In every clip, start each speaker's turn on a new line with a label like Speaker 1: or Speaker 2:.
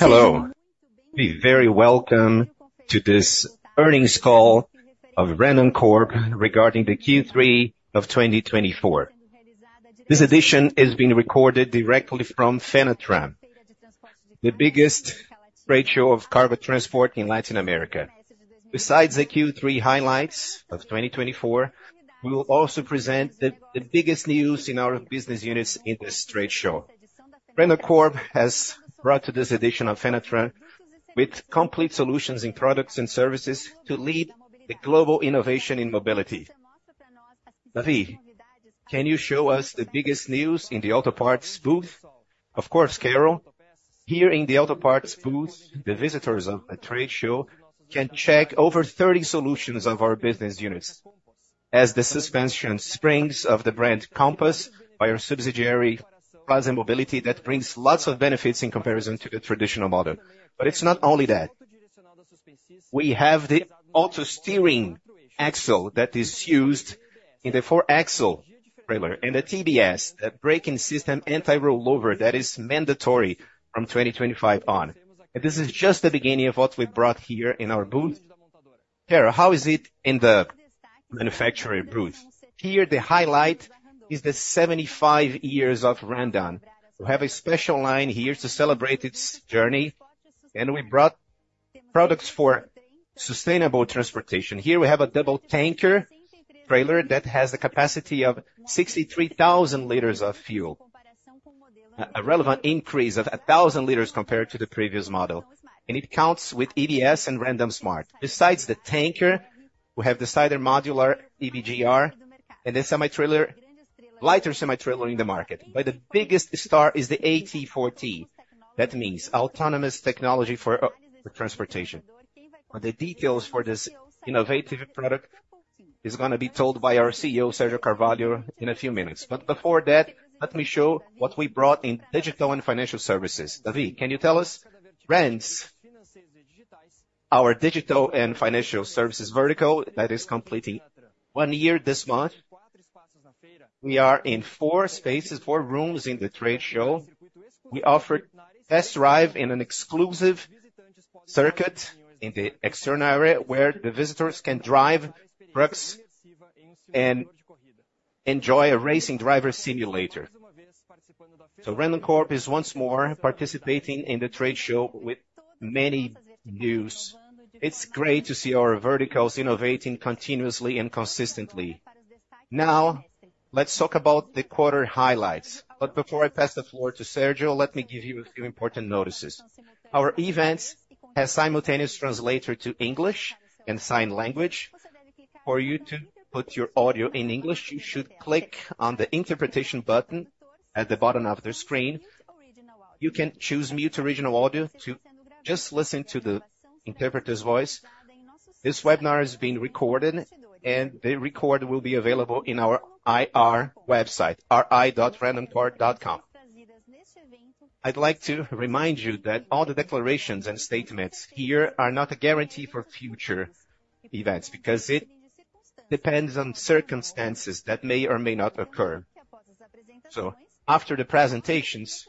Speaker 1: Hello. Be very welcome to this earnings call of Randoncorp regarding the Q3 of 2024. This edition is being recorded directly from Fenatran, the biggest trade show of cargo transport in Latin America. Besides the Q3 highlights of 2024, we will also present the biggest news in our business units in this trade show. Randoncorp has brought to this edition of Fenatran with complete solutions in products and services to lead the global innovation in mobility. David, can you show us the biggest news in the auto parts booth?
Speaker 2: Of course, Carol. Here in the auto parts booth, the visitors of the trade show can check over 30 solutions of our business units, as the suspension springs of the brand Compos by our subsidiary Fras-le Mobility that brings lots of benefits in comparison to the traditional model. But it's not only that. We have the auto steering axle that is used in the four-axle trailer and the TEBS, the braking system anti-rollover that is mandatory from 2025 on, and this is just the beginning of what we brought here in our booth. Carol, how is it in the manufacturer booth?
Speaker 1: Here, the highlight is the 75 years of Randon. We have a special line here to celebrate its journey, and we brought products for sustainable transportation. Here, we have a double tanker trailer that has a capacity of 63,000 liters of fuel, a relevant increase of 1,000 liters compared to the previous model. And it counts with EBS and Randon Smart. Besides the tanker, we have the Sider Modular Hybrid R and the semi-trailer, lighter semi-trailer in the market, but the biggest star is the AT4T. That means autonomous technology for transportation. The details for this innovative product are going to be told by our CEO, Sergio Carvalho, in a few minutes. But before that, let me show what we brought in digital and financial services. David, can you tell us?
Speaker 2: Rands, our digital and financial services vertical that is completing one year this month. We are in four spaces, four rooms in the trade show. We offer test drive in an exclusive circuit in the external area where the visitors can drive trucks and enjoy a racing driver simulator. Randoncorp is once more participating in the trade show with many news.
Speaker 1: It's great to see our verticals innovating continuously and consistently. Now, let's talk about the quarter highlights. But before I pass the floor to Sergio, let me give you a few important notices. Our event has simultaneous translator to English and sign language. For you to put your audio in English, you should click on the interpretation button at the bottom of the screen. You can choose mute original audio to just listen to the interpreter's voice. This webinar is being recorded, and the record will be available in our IR website, ri.randoncorp.com. I'd like to remind you that all the declarations and statements here are not a guarantee for future events because it depends on circumstances that may or may not occur. So after the presentations,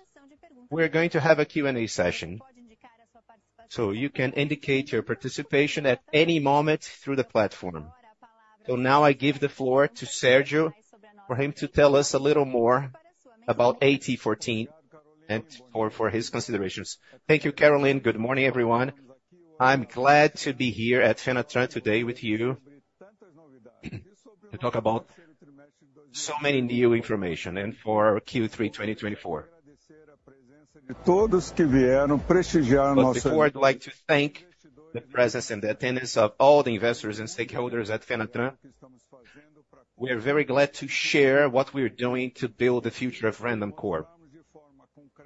Speaker 1: we're going to have a Q&A session. So you can indicate your participation at any moment through the platform. So now I give the floor to Sergio for him to tell us a little more about AT4T and for his considerations.
Speaker 3: Thank you, Caroline. Good morning, everyone.
Speaker 1: I'm glad to be here at Fenatran today with you to talk about so many new information and for Q3 2024.
Speaker 3: Before, I'd like to thank the presence and the attendance of all the investors and stakeholders at Fenatran. We are very glad to share what we are doing to build the future of Randoncorp,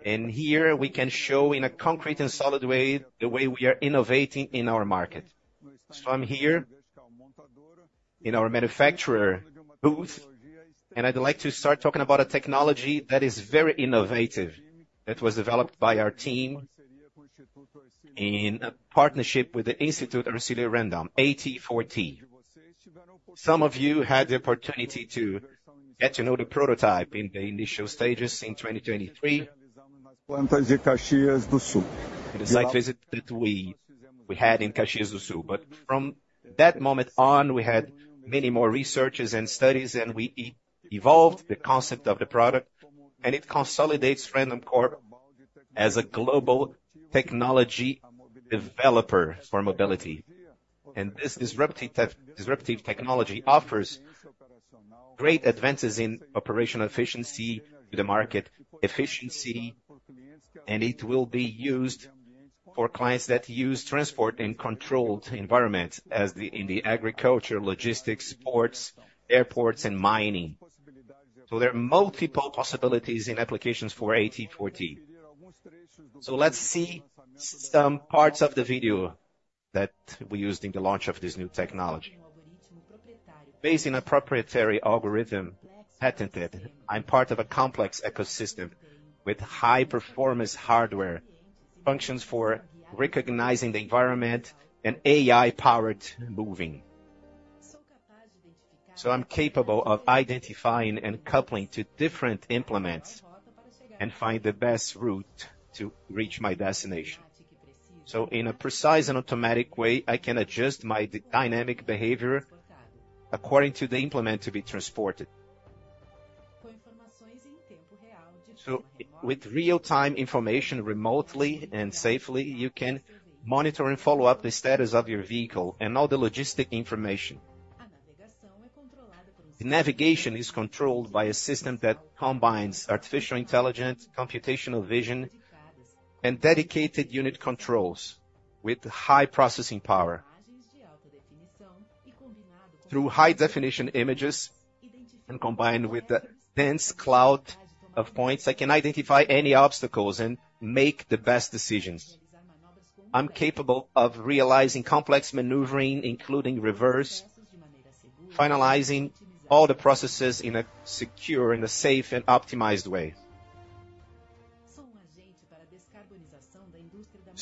Speaker 3: and here we can show in a concrete and solid way the way we are innovating in our market, so I'm here in our manufacturer booth, and I'd like to start talking about a technology that is very innovative, that was developed by our team in partnership with the Instituto Hercílio Randon, AT4T. Some of you had the opportunity to get to know the prototype in the initial stages in 2023. It's a nice visit that we had in Caxias do Sul. But from that moment on, we had many more researches and studies, and we evolved the concept of the product. And it consolidates Randoncorp as a global technology developer for mobility. And this disruptive technology offers great advances in operational efficiency to the market efficiency, and it will be used for clients that use transport in controlled environments as in the agriculture, logistics, sports, airports, and mining. So there are multiple possibilities in applications for AT4T. So let's see some parts of the video that we used in the launch of this new technology.
Speaker 4: Based on a proprietary algorithm patented, I'm part of a complex ecosystem with high-performance hardware functions for recognizing the environment and AI-powered moving. So I'm capable of identifying and coupling to different implements and find the best route to reach my destination. So in a precise and automatic way, I can adjust my dynamic behavior according to the implement to be transported. So with real-time information remotely and safely, you can monitor and follow up the status of your vehicle and all the logistic information. The navigation is controlled by a system that combines artificial intelligence, computational vision, and dedicated unit controls with high processing power. Through high-definition images and combined with the dense cloud of points, I can identify any obstacles and make the best decisions. I'm capable of realizing complex maneuvering, including reverse, finalizing all the processes in a secure, safe, and optimized way.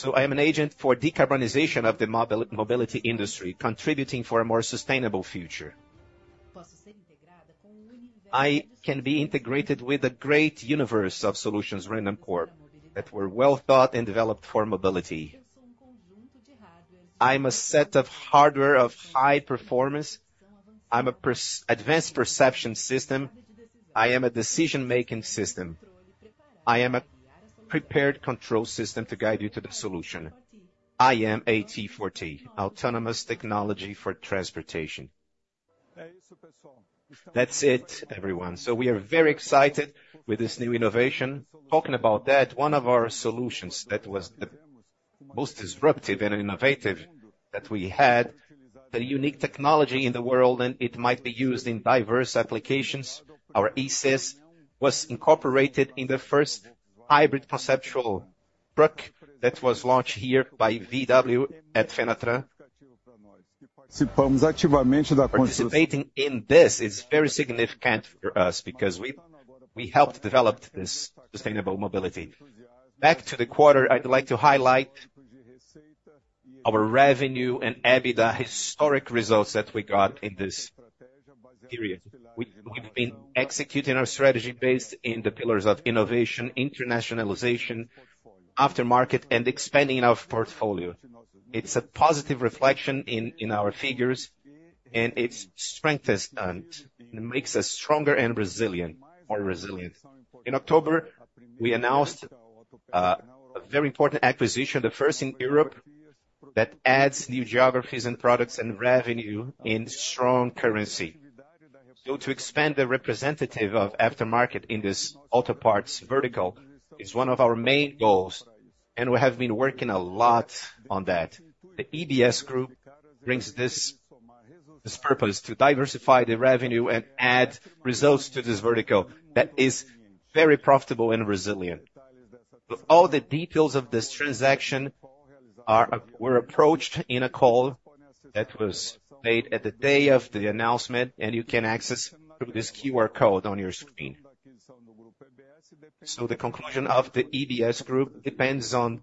Speaker 4: So I am an agent for decarbonization of the mobility industry, contributing for a more sustainable future. I can be integrated with a great universe of solutions Randoncorp that were well thought and developed for mobility. I'm a set of hardware of high performance. I'm an advanced perception system. I am a decision-making system. I am a prepared control system to guide you to the solution. I am AT4T, autonomous technology for transportation.
Speaker 3: That's it, everyone. So we are very excited with this new innovation. Talking about that, one of our solutions that was the most disruptive and innovative that we had, the unique technology in the world, and it might be used in diverse applications, our e-Sys, was incorporated in the first hybrid conceptual truck that was launched here by VW at Fenatran. Participating in this is very significant for us because we helped develop this sustainable mobility. Back to the quarter, I'd like to highlight our revenue and EBITDA historic results that we got in this period. We've been executing our strategy based in the pillars of innovation, internationalization, aftermarket, and expanding our portfolio. It's a positive reflection in our figures, and it strengthens and makes us stronger and resilient. In October, we announced a very important acquisition, the first in Europe that adds new geographies and products and revenue in strong currency. So to expand the representative of aftermarket in this auto parts vertical is one of our main goals, and we have been working a lot on that. The EBS Group brings this purpose to diversify the revenue and add results to this vertical that is very profitable and resilient. All the details of this transaction were approached in a call that was made at the day of the announcement, and you can access through this QR code on your screen, so the conclusion of the EBS Group depends on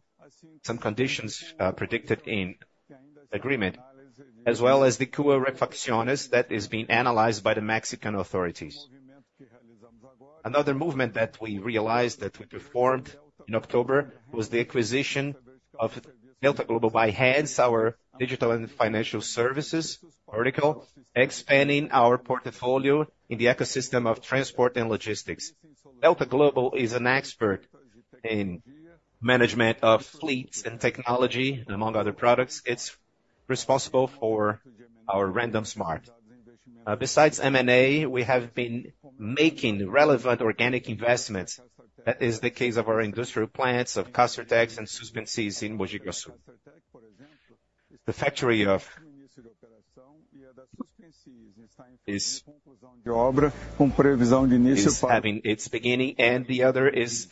Speaker 3: some conditions predicted in the agreement, as well as the regulatory actions that have been analyzed by the Mexican authorities. Another movement that we realized that we performed in October was the acquisition of Delta Global by Rands, our digital and financial services vertical, expanding our portfolio in the ecosystem of transport and logistics. Delta Global is an expert in management of fleets and technology, among other products. It's responsible for our Randon Smart. Besides M&A, we have been making relevant organic investments. That is the case of our industrial plants, of Castertech, and Suspensys in Mogi Guaçu. The factory of Suspensys is having its beginning, and the other is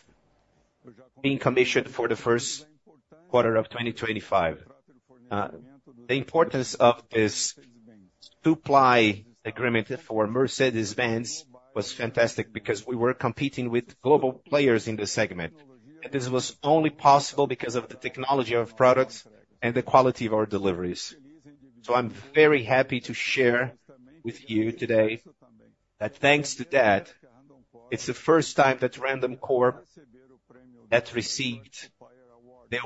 Speaker 3: being commissioned for the first quarter of 2025. The importance of this supply agreement for Mercedes-Benz was fantastic because we were competing with global players in the segment. And this was only possible because of the technology of products and the quality of our deliveries. So I'm very happy to share with you today that thanks to that, it's the first time that Randoncorp has received the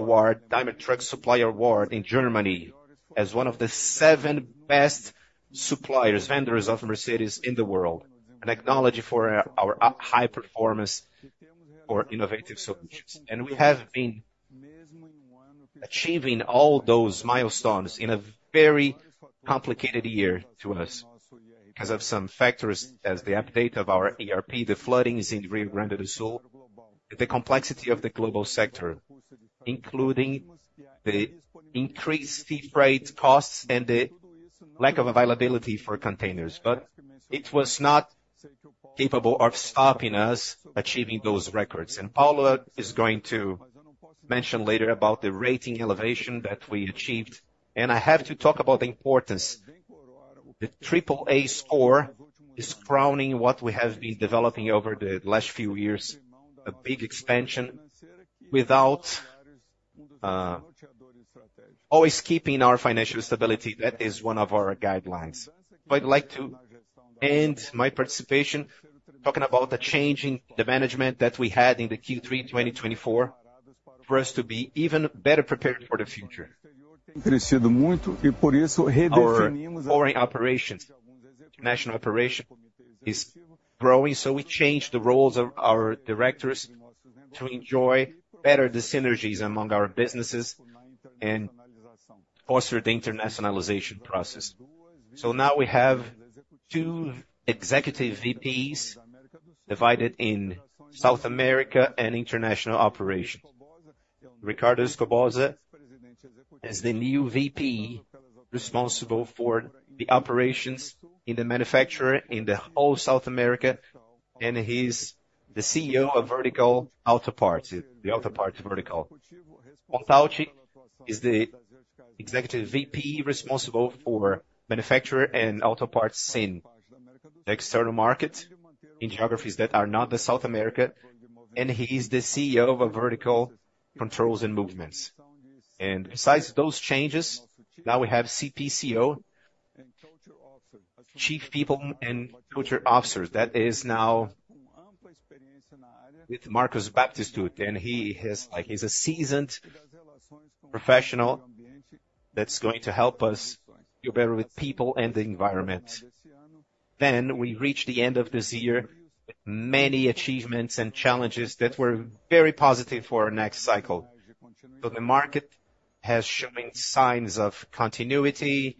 Speaker 3: Daimler Truck Supplier Award in Germany as one of the seven best vendors of Mercedes in the world, an acknowledgment for our high performance or innovative solutions. And we have been achieving all those milestones in a very complicated year to us because of some factors as the update of our ERP, the floods in Rio Grande do Sul, the complexity of the global sector, including the increased freight costs and the lack of availability for containers. But it was not capable of stopping us achieving those records. And Paulo is going to mention later about the rating elevation that we achieved. And I have to talk about the importance. The triple A score is crowning what we have been developing over the last few years, a big expansion while always keeping our financial stability. That is one of our guidelines. So I'd like to end my participation talking about the change in management that we had in the Q3 2024 for us to be even better prepared for the future. Our foreign operations, national operation is growing, so we changed the roles of our directors to enjoy better the synergies among our businesses and foster the internationalization process. So now we have two executive VPs divided in South America and international operations. Ricardo Escoboza is the new VP responsible for the operations in the manufacturer in the whole South America and is the CEO of Vertical Auto Parts, the Auto Parts Vertical. Anderson Pontalti is the executive VP responsible for manufacturer and auto parts in the external market in geographies that are not South America, and he is the CEO of Vertical Controls and Movements. And besides those changes, now we have CPCO, Chief People and Culture Officer. That is now with Marcos Baptistucci, and he is a seasoned professional that's going to help us do better with people and the environment. Then we reached the end of this year with many achievements and challenges that were very positive for our next cycle. So the market has shown signs of continuity.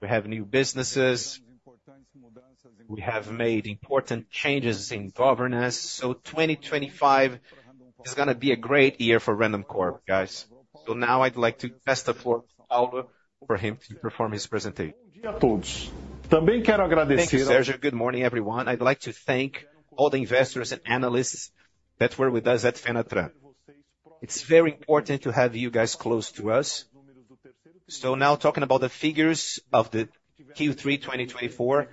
Speaker 3: We have new businesses. We have made important changes in governance. So 2025 is going to be a great year for Randoncorp, guys. So now I'd like to pass the floor to Paulo for him to perform his presentation.
Speaker 5: Thank you, Sergio. Good morning, everyone. I'd like to thank all the investors and analysts that were with us at Fenatran. It's very important to have you guys close to us. Now talking about the figures of the Q3 2024.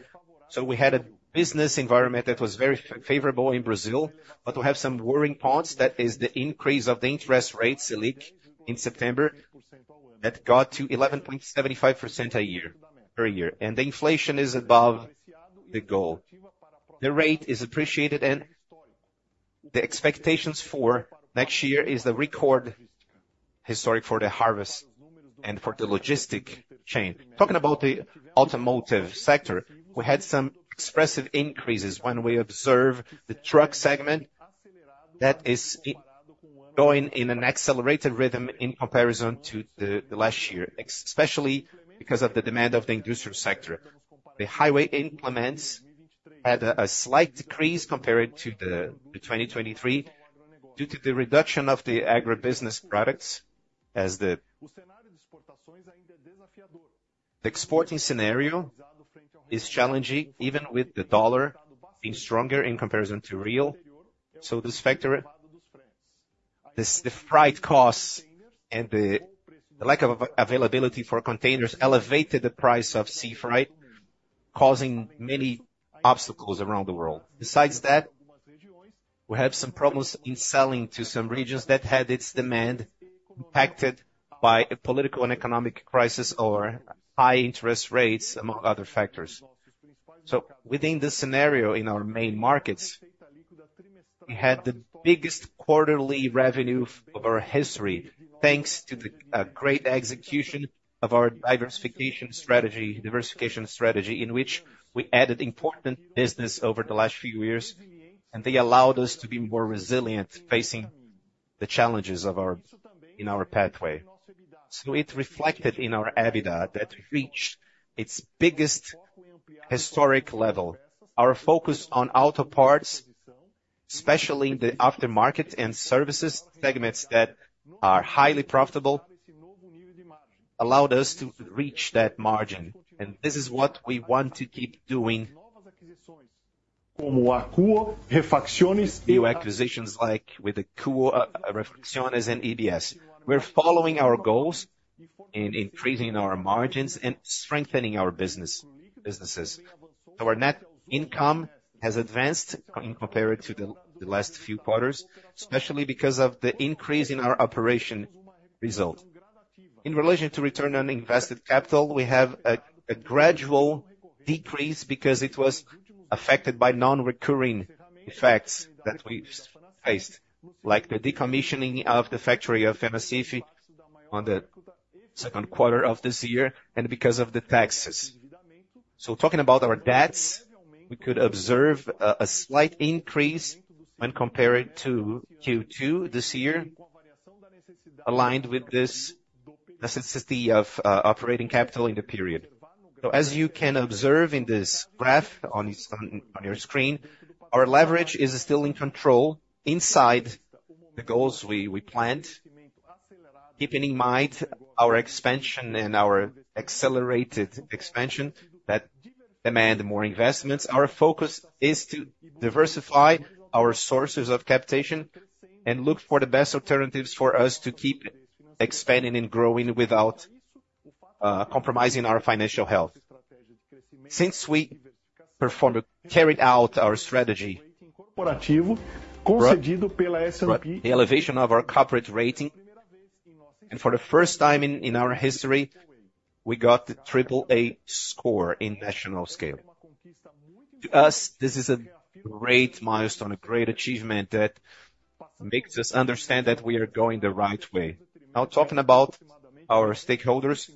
Speaker 5: We had a business environment that was very favorable in Brazil, but we have some worrying points. That is the increase of the interest rates in September that got to 11.75% per year. And the inflation is above the goal. The real is appreciated, and the expectations for next year is the record historic for the harvest and for the logistics chain. Talking about the automotive sector, we had some expressive increases when we observe the truck segment that is going in an accelerated rhythm in comparison to the last year, especially because of the demand of the industrial sector. The highway implements had a slight decrease compared to 2023 due to the reduction of the agribusiness products as the exporting scenario is challenging, even with the dollar being stronger in comparison to real. So this factor, the freight costs and the lack of availability for containers elevated the price of sea freight, causing many obstacles around the world. Besides that, we have some problems in selling to some regions that had its demand impacted by a political and economic crisis or high interest rates, among other factors. So within this scenario, in our main markets, we had the biggest quarterly revenue of our history, thanks to the great execution of our diversification strategy, diversification strategy in which we added important business over the last few years, and they allowed us to be more resilient facing the challenges in our pathway. So it reflected in our EBITDA that reached its biggest historic level. Our focus on auto parts, especially in the aftermarket and services segments that are highly profitable, allowed us to reach that margin. And this is what we want to keep doing. New acquisitions like with the Fras-le and EBS. We're following our goals in increasing our margins and strengthening our businesses. So our net income has advanced in comparison to the last few quarters, especially because of the increase in our operation result. In relation to return on invested capital, we have a gradual decrease because it was affected by non-recurring effects that we faced, like the decommissioning of the factory of Fanacif on the second quarter of this year and because of the taxes. So talking about our debts, we could observe a slight increase when compared to Q2 this year, aligned with this necessity of operating capital in the period. So as you can observe in this graph on your screen, our leverage is still in control inside the goals we planned, keeping in mind our expansion and our accelerated expansion that demand more investments. Our focus is to diversify our sources of capitation and look for the best alternatives for us to keep expanding and growing without compromising our financial health. Since we performed, carried out our strategy. Concedido pela S&P. The elevation of our corporate rating, and for the first time in our history, we got the triple A score in national scale. To us, this is a great milestone, a great achievement that makes us understand that we are going the right way. Now, talking about our stakeholders,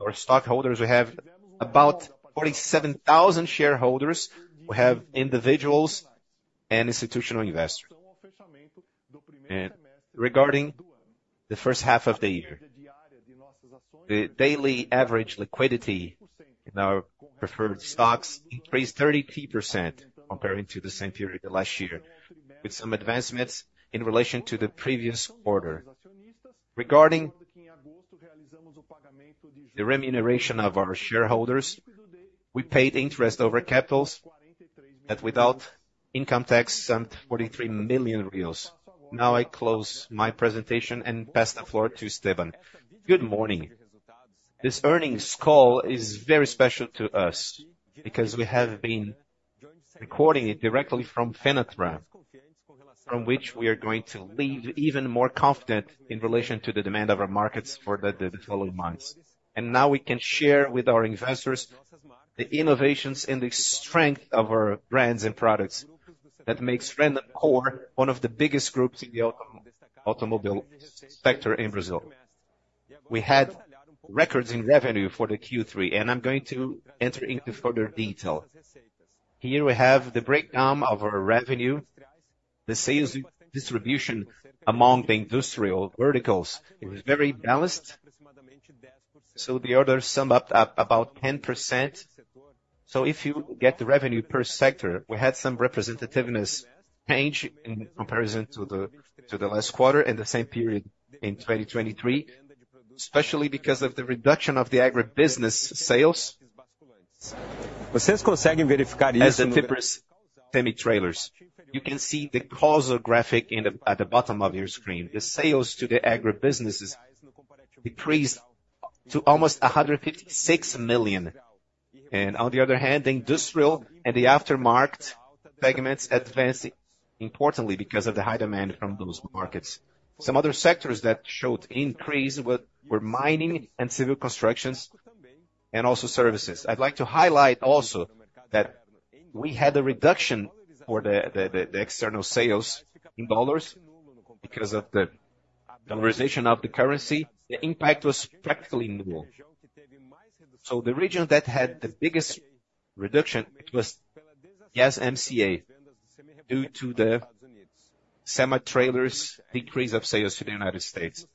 Speaker 5: our stockholders, we have about 47,000 shareholders. We have individuals and institutional investors. Regarding the first half of the year, the daily average liquidity in our preferred stocks increased 32% compared to the same period last year, with some advancements in relation to the previous quarter. Regarding the remuneration of our shareholders, we paid interest over capitals that, without income tax, summed 43 million. Now I close my presentation and pass the floor to Esteban. Good morning.
Speaker 6: This earnings call is very special to us because we have been recording it directly from Fenatran, from which we are going to leave even more confident in relation to the demand of our markets for the following months, and now we can share with our investors the innovations and the strength of our brands and products that make Randoncorp one of the biggest groups in the automobile sector in Brazil. We had records in revenue for the Q3, and I'm going to enter into further detail. Here we have the breakdown of our revenue, the sales distribution among the industrial verticals. It was very balanced, so the orders summed up about 10%, so if you get the revenue per sector, we had some representativeness change in comparison to the last quarter and the same period in 2023, especially because of the reduction of the agribusiness sales. As for the tipper semi-trailers, you can see the visual graphic at the bottom of your screen. The sales to the agribusinesses decreased to almost 156 million. On the other hand, the industrial and the aftermarket segments advanced importantly because of the high demand from those markets. Some other sectors that showed increase were mining and civil constructions, and also services. I'd like to highlight also that we had a reduction for the external sales in dollars because of the dollarization of the currency. The impact was practically null. The region that had the biggest reduction was Mercosur due to the semi-trailers' decrease of sales to the United States.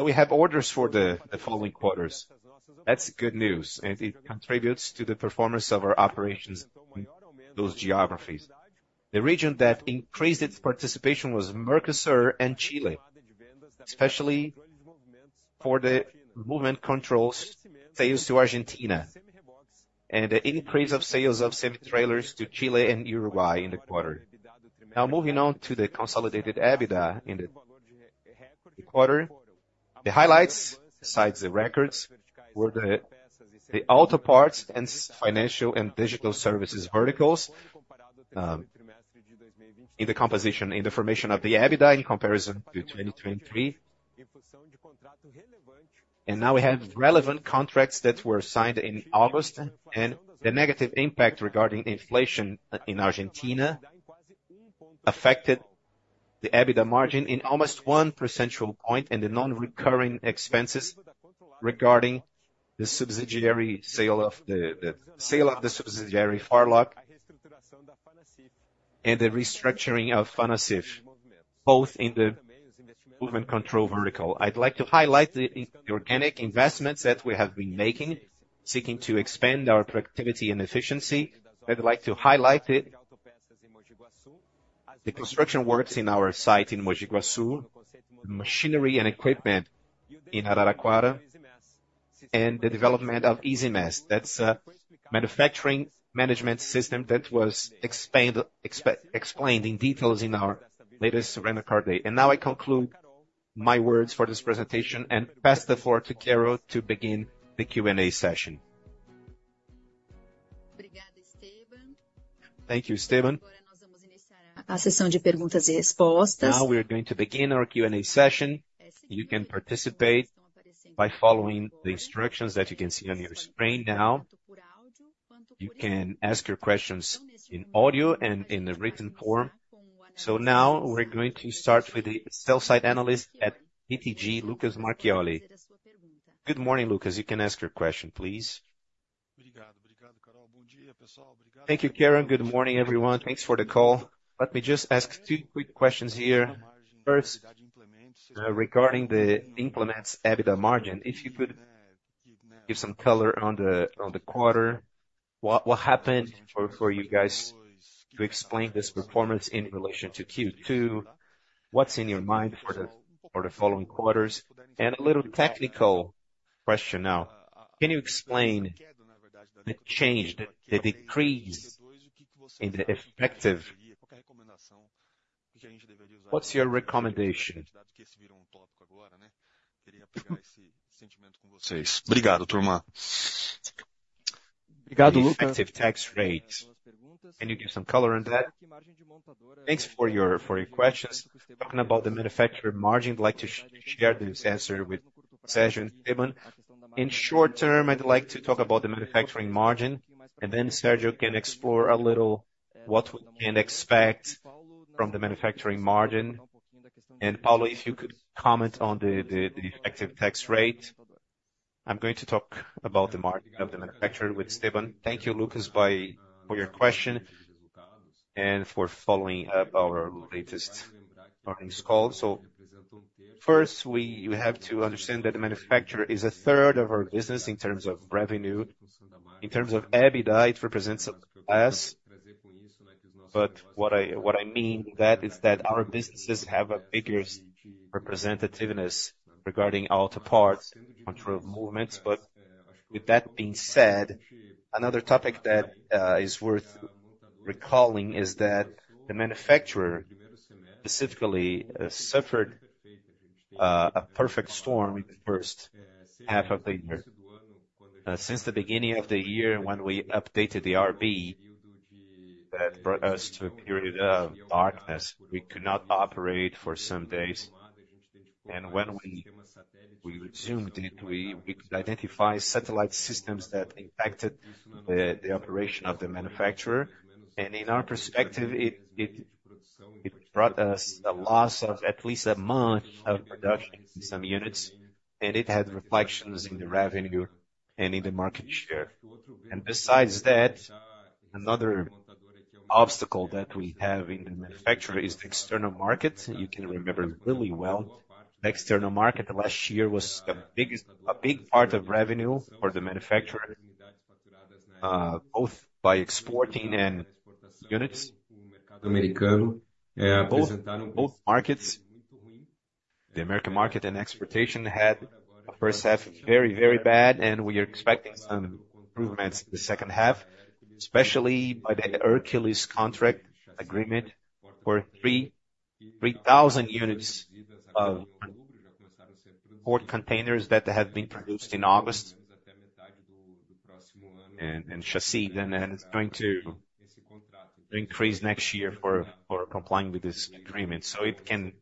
Speaker 6: We have orders for the following quarters. That's good news, and it contributes to the performance of our operations in those geographies.
Speaker 1: The region that increased its participation was Mercosur and Chile, especially for the movement controls sales to Argentina, and the increase of sales of semi-trailers to Chile and Uruguay in the quarter. Now moving on to the consolidated EBITDA in the quarter, the highlights, besides the records, were the auto parts and financial and digital services verticals in the composition, in the formation of the EBITDA in comparison to 2023. And now we have relevant contracts that were signed in August, and the negative impact regarding inflation in Argentina affected the EBITDA margin in almost one percentage point and the non-recurring expenses regarding the subsidiary sale of the subsidiary Farloc and the restructuring of Fanacif, both in the movement control vertical. I'd like to highlight the organic investments that we have been making, seeking to expand our productivity and efficiency. I'd like to highlight the construction works in our site in Mogi Guaçu, the machinery and equipment in Araraquara, and the development of EasyMES. That's a manufacturing management system that was explained in detail in our latest Randoncorp Day. And now I conclude my words for this presentation and pass the floor to Carol to begin the Q&A session. Thank you, Esteban. Now we're going to begin our Q&A session. You can participate by following the instructions that you can see on your screen now. You can ask your questions in audio and in the written form. So now we're going to start with the sell-side analyst at BTG, Lucas Marquiori. Good morning, Lucas. You can ask your question, please.
Speaker 7: Thank you, Carol. Good morning, everyone. Thanks for the call. Let me just ask two quick questions here. First, regarding the implements' EBITDA margin, if you could give some color on the quarter. What happened for you guys to explain this performance in relation to Q2? What's in your mind for the following quarters? And a little technical question now. Can you explain the change, the decrease in the effective? What's your recommendation?
Speaker 2: Thanks for your questions. Talking about the manufacturing margin, I'd like to share this answer with Sergio and Esteban. In the short term, I'd like to talk about the manufacturing margin, and then Sergio can explore a little what we can expect from the manufacturing margin. And Paulo, if you could comment on the effective tax rate. I'm going to talk about the margin of the manufacturer with Esteban.
Speaker 6: Thank you, Lucas, for your question and for following up our latest earnings call. So first, we have to understand that the manufacturer is a third of our business in terms of revenue. In terms of EBITDA, it represents less, but what I mean with that is that our businesses have a bigger representativeness regarding auto parts and control movements. But with that being said, another topic that is worth recalling is that the manufacturer specifically suffered a perfect storm in the first half of the year. Since the beginning of the year, when we updated the ERP, that brought us to a period of darkness. We could not operate for some days. And when we resumed it, we could identify satellite systems that impacted the operation of the manufacturer. And in our perspective, it brought us a loss of at least a month of production in some units, and it had reflections in the revenue and in the market share. Besides that, another obstacle that we have in the manufacturer is the external market. You can remember really well. The external market last year was a big part of revenue for the manufacturer, both by exporting and units. Both markets, the American market and exportation, had the first half very, very bad, and we are expecting some improvements in the second half, especially by the Hercules contract agreement for 3,000 units of port containers that have been produced in August and chassis, and it's going to increase next year for complying with this agreement. It can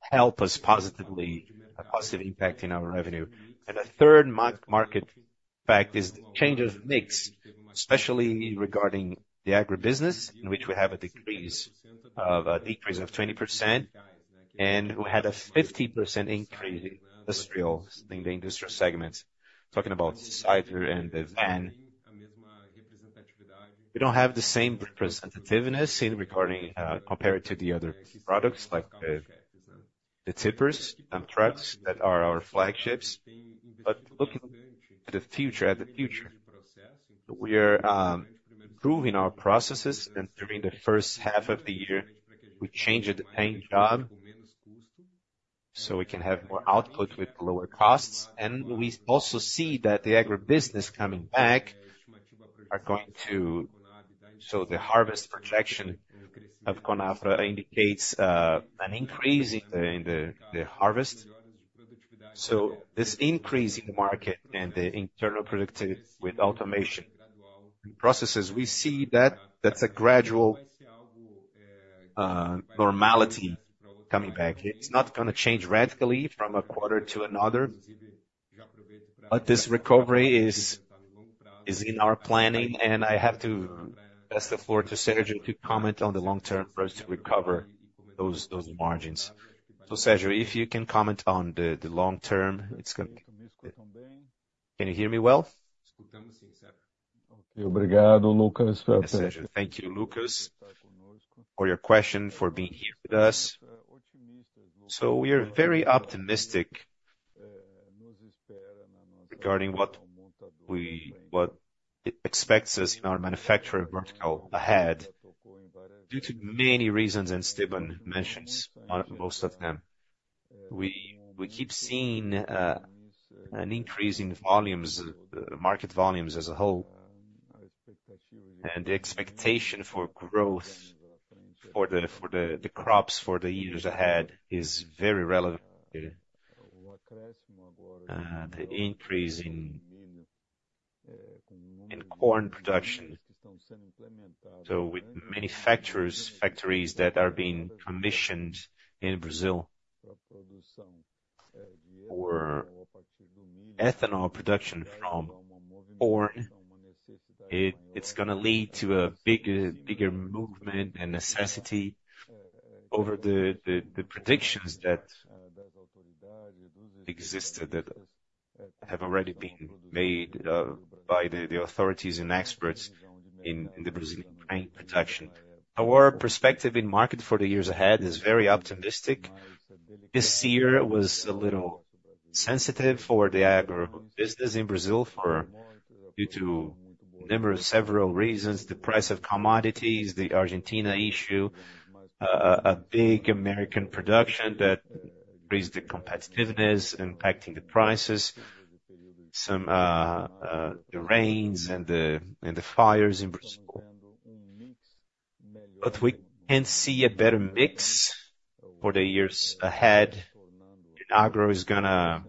Speaker 6: help us positively, a positive impact in our revenue. The third market fact is change in mix, especially regarding the agribusiness, in which we have a decrease of 20%, and we had a 50% increase in industrial segments. Talking about the Sider and the van, we don't have the same representativeness regarding compared to the other products like the tippers and trucks that are our flagships. But looking to the future, we are improving our processes, and during the first half of the year, we changed the paint job so we can have more output with lower costs. And we also see that the agribusiness coming back are going to, so the harvest projection of Conab indicates an increase in the harvest. So this increase in the market and the internal productivity with automation processes, we see that that's a gradual normality coming back. It's not going to change radically from a quarter to another, but this recovery is in our planning, and I have to pass the floor to Sergio to comment on the long term for us to recover those margins. So, Sergio, if you can comment on the long term, it's going to be good.
Speaker 3: Can you hear me well? Thank you, Lucas, for your question, for being here with us. So we are very optimistic regarding what expects us in our manufacturer vertical ahead due to many reasons Esteban mentioned, most of them. We keep seeing an increase in market volumes as a whole, and the expectation for growth for the crops for the years ahead is very relevant to the increase in corn production. So with manufacturers, factories that are being commissioned in Brazil for ethanol production from corn, it's going to lead to a bigger movement and necessity over the predictions that existed, that have already been made by the authorities and experts in the Brazilian grain production. Our perspective in market for the years ahead is very optimistic. This year was a little sensitive for the agribusiness in Brazil due to several reasons: the price of commodities, the Argentina issue, a big American production that increased the competitiveness, impacting the prices, such as the rains and the fires in Brazil. But we can see a better mix for the years ahead. In agro, it's going to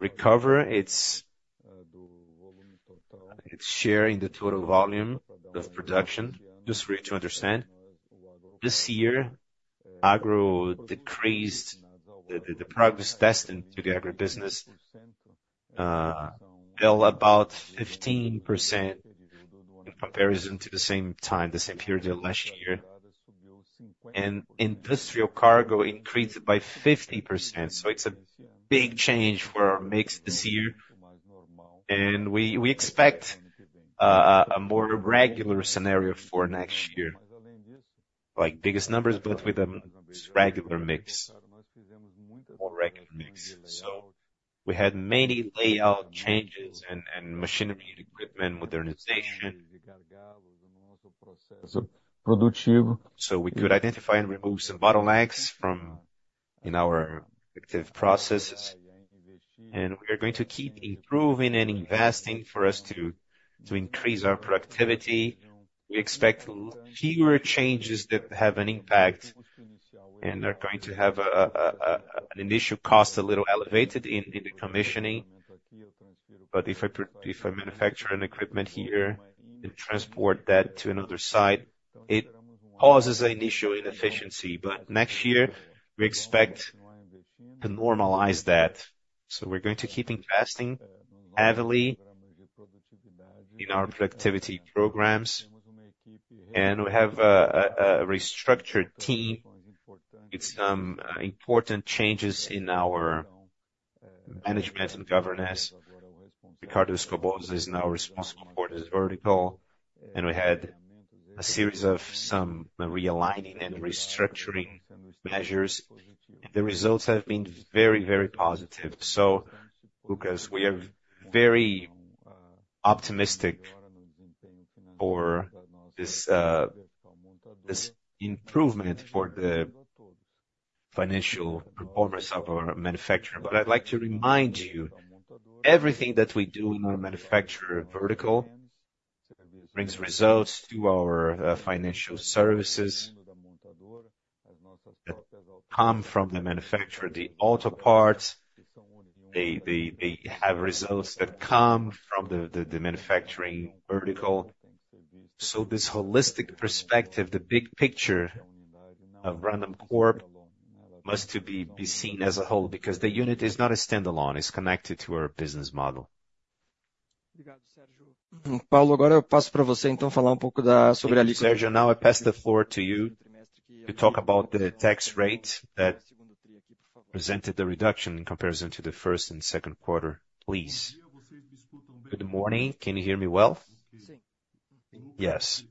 Speaker 3: recover its share in the total volume of production. Just for you to understand, this year, agro decreased, the percentage destined to the agribusiness fell about 15% in comparison to the same time, the same period of last year. And industrial cargo increased by 50%. So it's a big change for our mix this year, and we expect a more regular scenario for next year, like biggest numbers, but with a regular mix, more regular mix. So we had many layout changes and machinery and equipment modernization so we could identify and remove some bottlenecks in our active processes. And we are going to keep improving and investing for us to increase our productivity. We expect fewer changes that have an impact and are going to have an initial cost a little elevated in the commissioning. But if I manufacture an equipment here and transport that to another site, it causes an initial inefficiency. But next year, we expect to normalize that. So we're going to keep investing heavily in our productivity programs, and we have a restructured team with some important changes in our management and governance. Ricardo Escoboza is now responsible for this vertical, and we had a series of some realigning and restructuring measures, and the results have been very, very positive. So, Lucas, we are very optimistic for this improvement for the financial performance of our manufacturing. But I'd like to remind you, everything that we do in our manufacturing vertical brings results to our financial services, come from the manufacturing. The auto parts, they have results that come from the manufacturing vertical. So this holistic perspective, the big picture of Randoncorp must be seen as a whole because the unit is not a standalone, it's connected to our business model. Thank you, Sergio. Now I pass the floor to you to talk about the tax rate that presented the reduction in comparison to the first and second quarter, please.
Speaker 5: Good morning. Can you hear me well?
Speaker 2: Yes.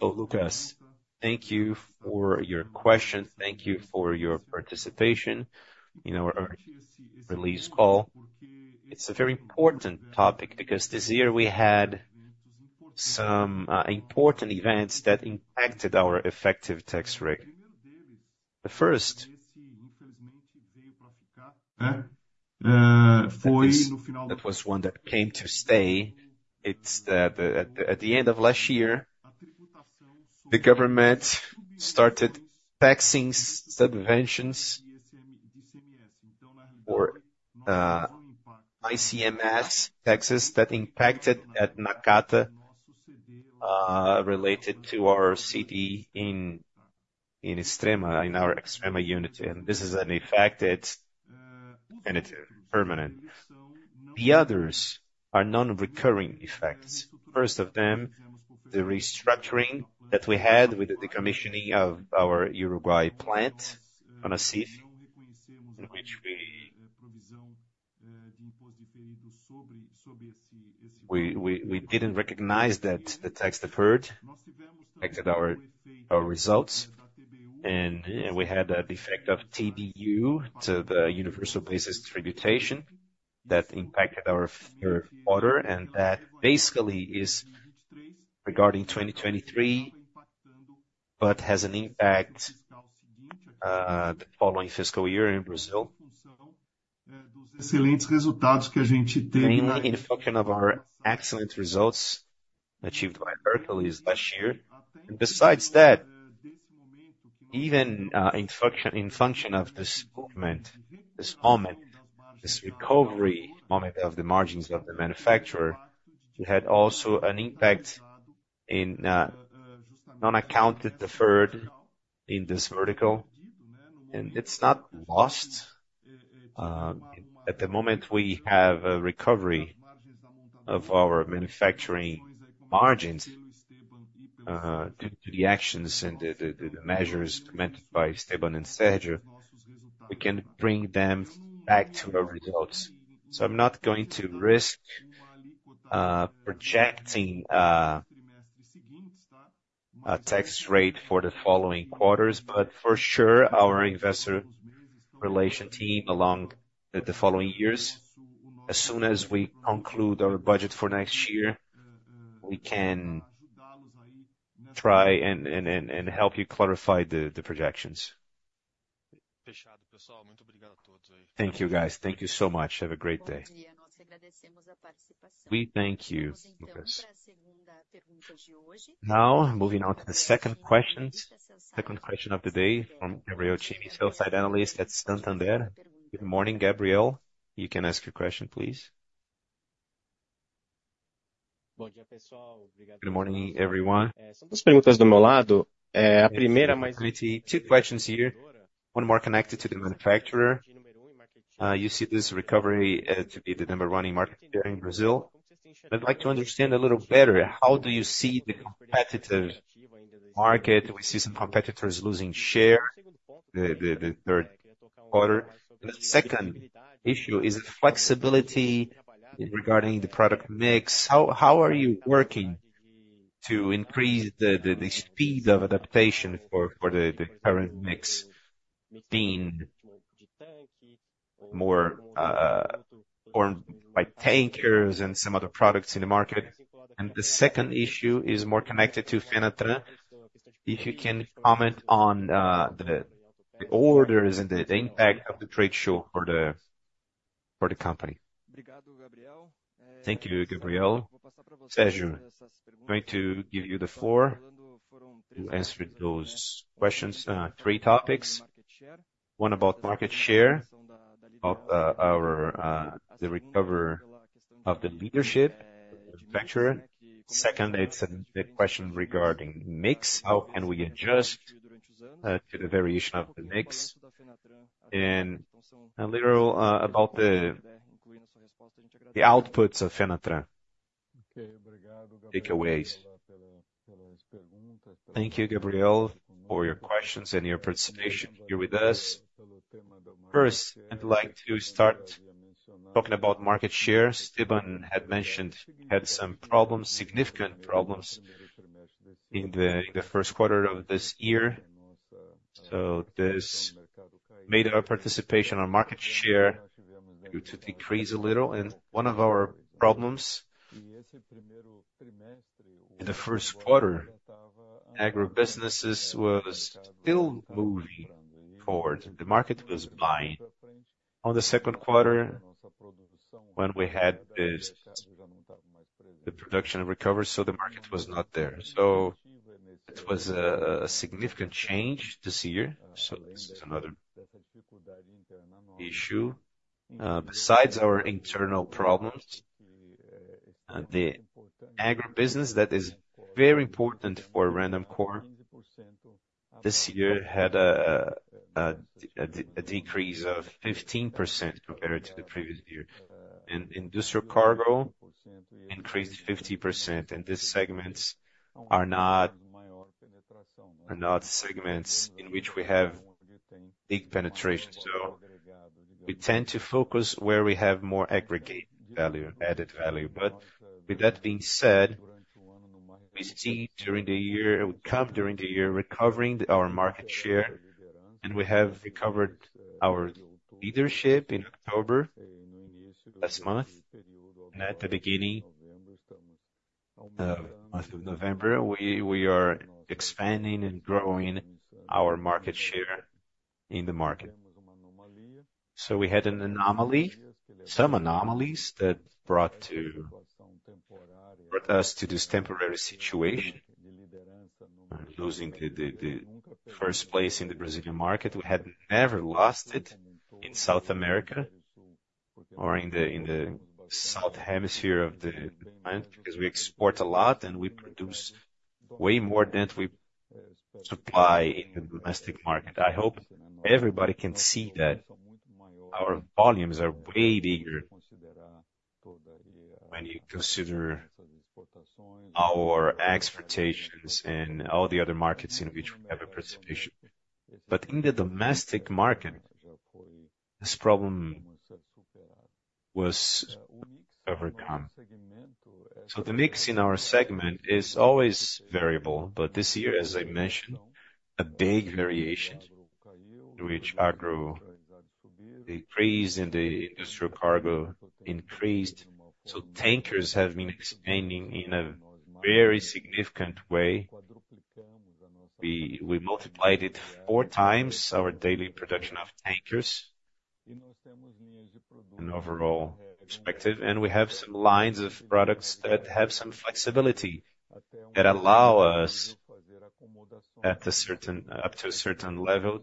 Speaker 5: Oh, Lucas, thank you for your questions. Thank you for your participation in our release call. It's a very important topic because this year we had some important events that impacted our effective tax rate. The first that was one that came to stay is that at the end of last year, the government started taxing subventions for ICMS taxes that impacted at Nakata related to our CD in Extrema, in our Extrema unit. And this is an effect that's definitive and permanent. The others are non-recurring effects. First of them, the restructuring that we had with the commissioning of our Uruguay plant at Fanacif, in which we didn't recognize that the deferred tax affected our results. And we had the effect of TBU to the universal basis taxation that impacted our auditor, and that basically is regarding 2023, but has an impact the following fiscal year in Brazil. Mainly in function of our excellent results achieved by Hercules last year. Besides that, even in function of this movement, this moment, this recovery moment of the margins of the manufacturer, it had also an impact in non-accounted deferred in this vertical. It's not lost. At the moment, we have a recovery of our manufacturing margins due to the actions and the measures commented by Esteban and Sergio. We can bring them back to our results. I'm not going to risk projecting a tax rate for the following quarters, but for sure, our investor relations team along the following years, as soon as we conclude our budget for next year, we can try and help you clarify the projections.
Speaker 7: Thank you, guys. Thank you so much. Have a great day.
Speaker 1: We thank you, Lucas. Now, moving on to the second question. Second question of the day from Gabriel Rezende, sell-side analyst at Santander. Good morning, Gabriel. You can ask your question, please.
Speaker 8: Good morning, everyone. Two questions here. One more connected to the manufacturer. You see this recovery to be the number one in market share there in Brazil. I'd like to understand a little better. How do you see the competitive market? We see some competitors losing share in the third quarter. And the second issue is the flexibility regarding the product mix. How are you working to increase the speed of adaptation for the current mix, being more by tankers and some other products in the market? And the second issue is more connected to Fenatran. If you can comment on the orders and the impact of the trade show for the company.
Speaker 2: Thank you, Gabriel. Sergio, I'm going to give you the floor to answer those questions. Three topics. One about market share, about the recovery of the leadership, the manufacturer. Second, it's a question regarding mix. How can we adjust to the variation of the mix? And a little about the outputs of FENATRAN.
Speaker 3: Takeaways. Thank you, Gabriel, for your questions and your participation here with us. First, I'd like to start talking about market share. Esteban had mentioned he had some problems, significant problems in the first quarter of this year. So this made our participation on market share to decrease a little. One of our problems in the first quarter, agribusinesses were still moving forward. The market was buying. On the second quarter, when we had the production recovered, so the market was not there. It was a significant change this year. This is another issue. Besides our internal problems, the agribusiness that is very important for Randoncorp this year had a decrease of 15% compared to the previous year, and industrial cargo increased 50%, and these segments are not segments in which we have big penetration, so we tend to focus where we have more aggregate value, added value, but with that being said, we see during the year, we come during the year recovering our market share, and we have recovered our leadership in October last month, and at the beginning of November, we are expanding and growing our market share in the market, so we had an anomaly, some anomalies that brought us to this temporary situation of losing the first place in the Brazilian market. We had never lost it in South America or in the Southern Hemisphere of the planet because we export a lot and we produce way more than we supply in the domestic market. I hope everybody can see that our volumes are way bigger when you consider our exportations and all the other markets in which we have a participation, but in the domestic market, this problem was overcome, so the mix in our segment is always variable, but this year, as I mentioned, a big variation in which agro increased and the industrial cargo increased, so tankers have been expanding in a very significant way. We multiplied it four times, our daily production of tankers in overall perspective, and we have some lines of products that have some flexibility that allow us at a certain level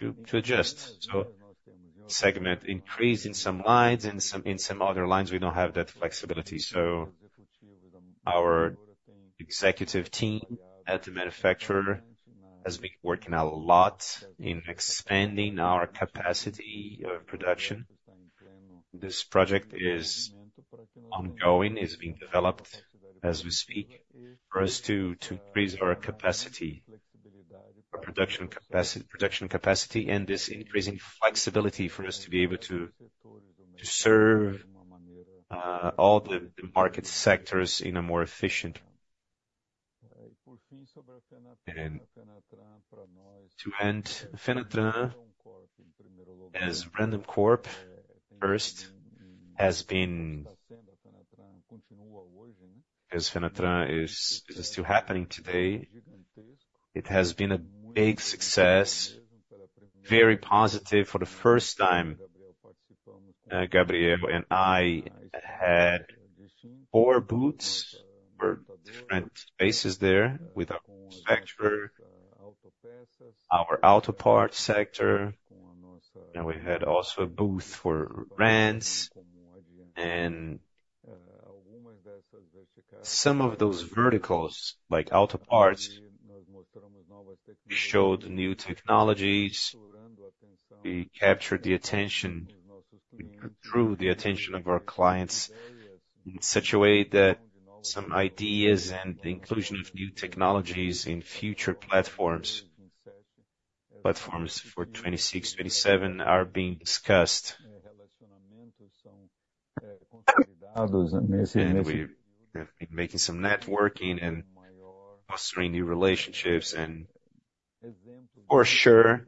Speaker 3: to adjust. So segment increase in some lines, and in some other lines, we don't have that flexibility. So our executive team at the manufacturer has been working a lot in expanding our capacity of production. This project is ongoing, is being developed as we speak for us to increase our capacity, our production capacity, and this increasing flexibility for us to be able to serve all the market sectors in a more efficient way. And Fenatran, as Randoncorp first, has been because Fenatran is still happening today. It has been a big success, very positive for the first time. Gabriel and I had four booths for different spaces there with our manufacturer, our auto parts sector. And we had also a booth for Rands. And some of those verticals, like auto parts, showed new technologies. We captured the attention through the attention of our clients in such a way that some ideas and the inclusion of new technologies in future platforms for 2026, 2027 are being discussed, and we have been making some networking and fostering new relationships, and for sure,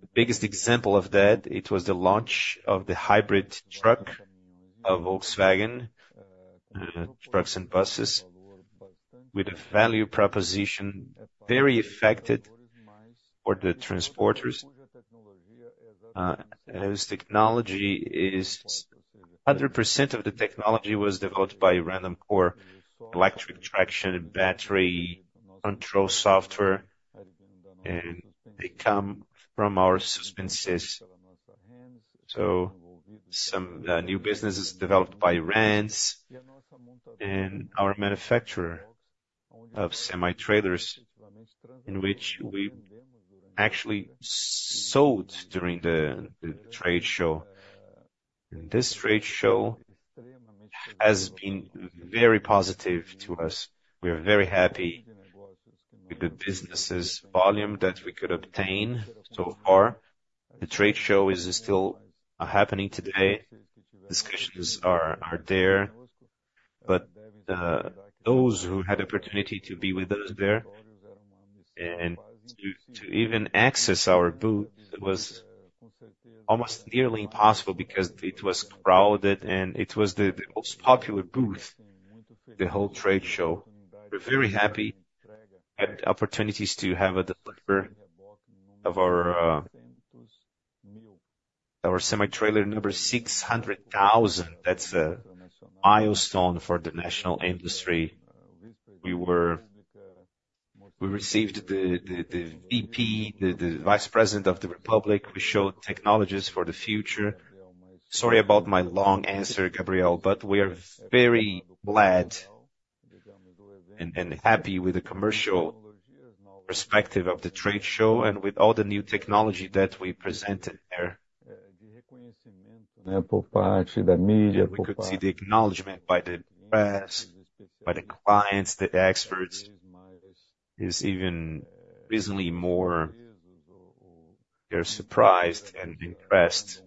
Speaker 3: the biggest example of that, it was the launch of the hybrid truck of Volkswagen Truck & Bus with a value proposition very effective for the transporters. This technology is 100% of the technology was developed by Randoncorp Electric Traction Battery Control Software, and they come from our Suspensys, so some new businesses developed by Rands and our manufacturer of semi-trailers in which we actually sold during the trade show, and this trade show has been very positive to us. We are very happy with the business volume that we could obtain so far. The trade show is still happening today. Discussions are there. But those who had the opportunity to be with us there and to even access our booth was almost nearly impossible because it was crowded and it was the most popular booth, the whole trade show. We're very happy at the opportunities to have a delivery of our semi-trailer number 600,000. That's a milestone for the national industry. We received the VP, the Vice President of the Republic. We showed technologies for the future. Sorry about my long answer, Gabriel, but we are very glad and happy with the commercial perspective of the trade show and with all the new technology that we presented there. We could see the acknowledgment by the press, by the clients, the experts. It's even reasonably more. They're surprised and impressed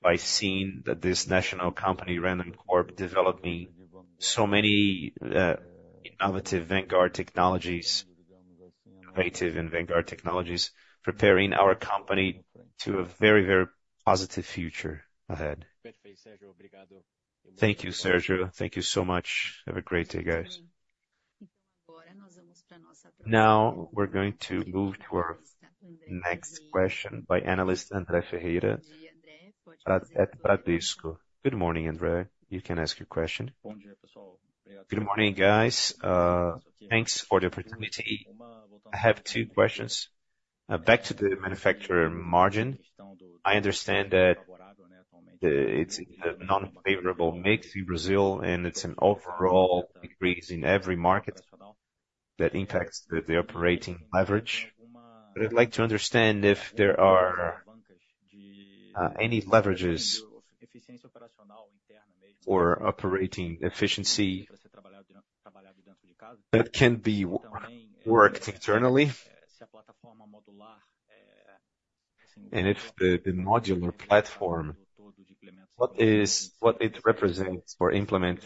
Speaker 3: by seeing that this national company, Randoncorp, developing so many innovative Vanguard technologies, innovative and Vanguard technologies, preparing our company to a very, very positive future ahead.
Speaker 8: Thank you, Sergio. Thank you so much. Have a great day, guys.
Speaker 1: Now we're going to move to our next question by analyst André Ferreira at Bradesco. Good morning, André. You can ask your question.
Speaker 9: Good morning, guys. Thanks for the opportunity. I have two questions. Back to the manufacturer margin. I understand that it's a non-favorable mix in Brazil, and it's an overall increase in every market that impacts the operating leverage. But I'd like to understand if there are any leverages or operating efficiency that can be worked internally. And if the modular platform, what is what it represents for implement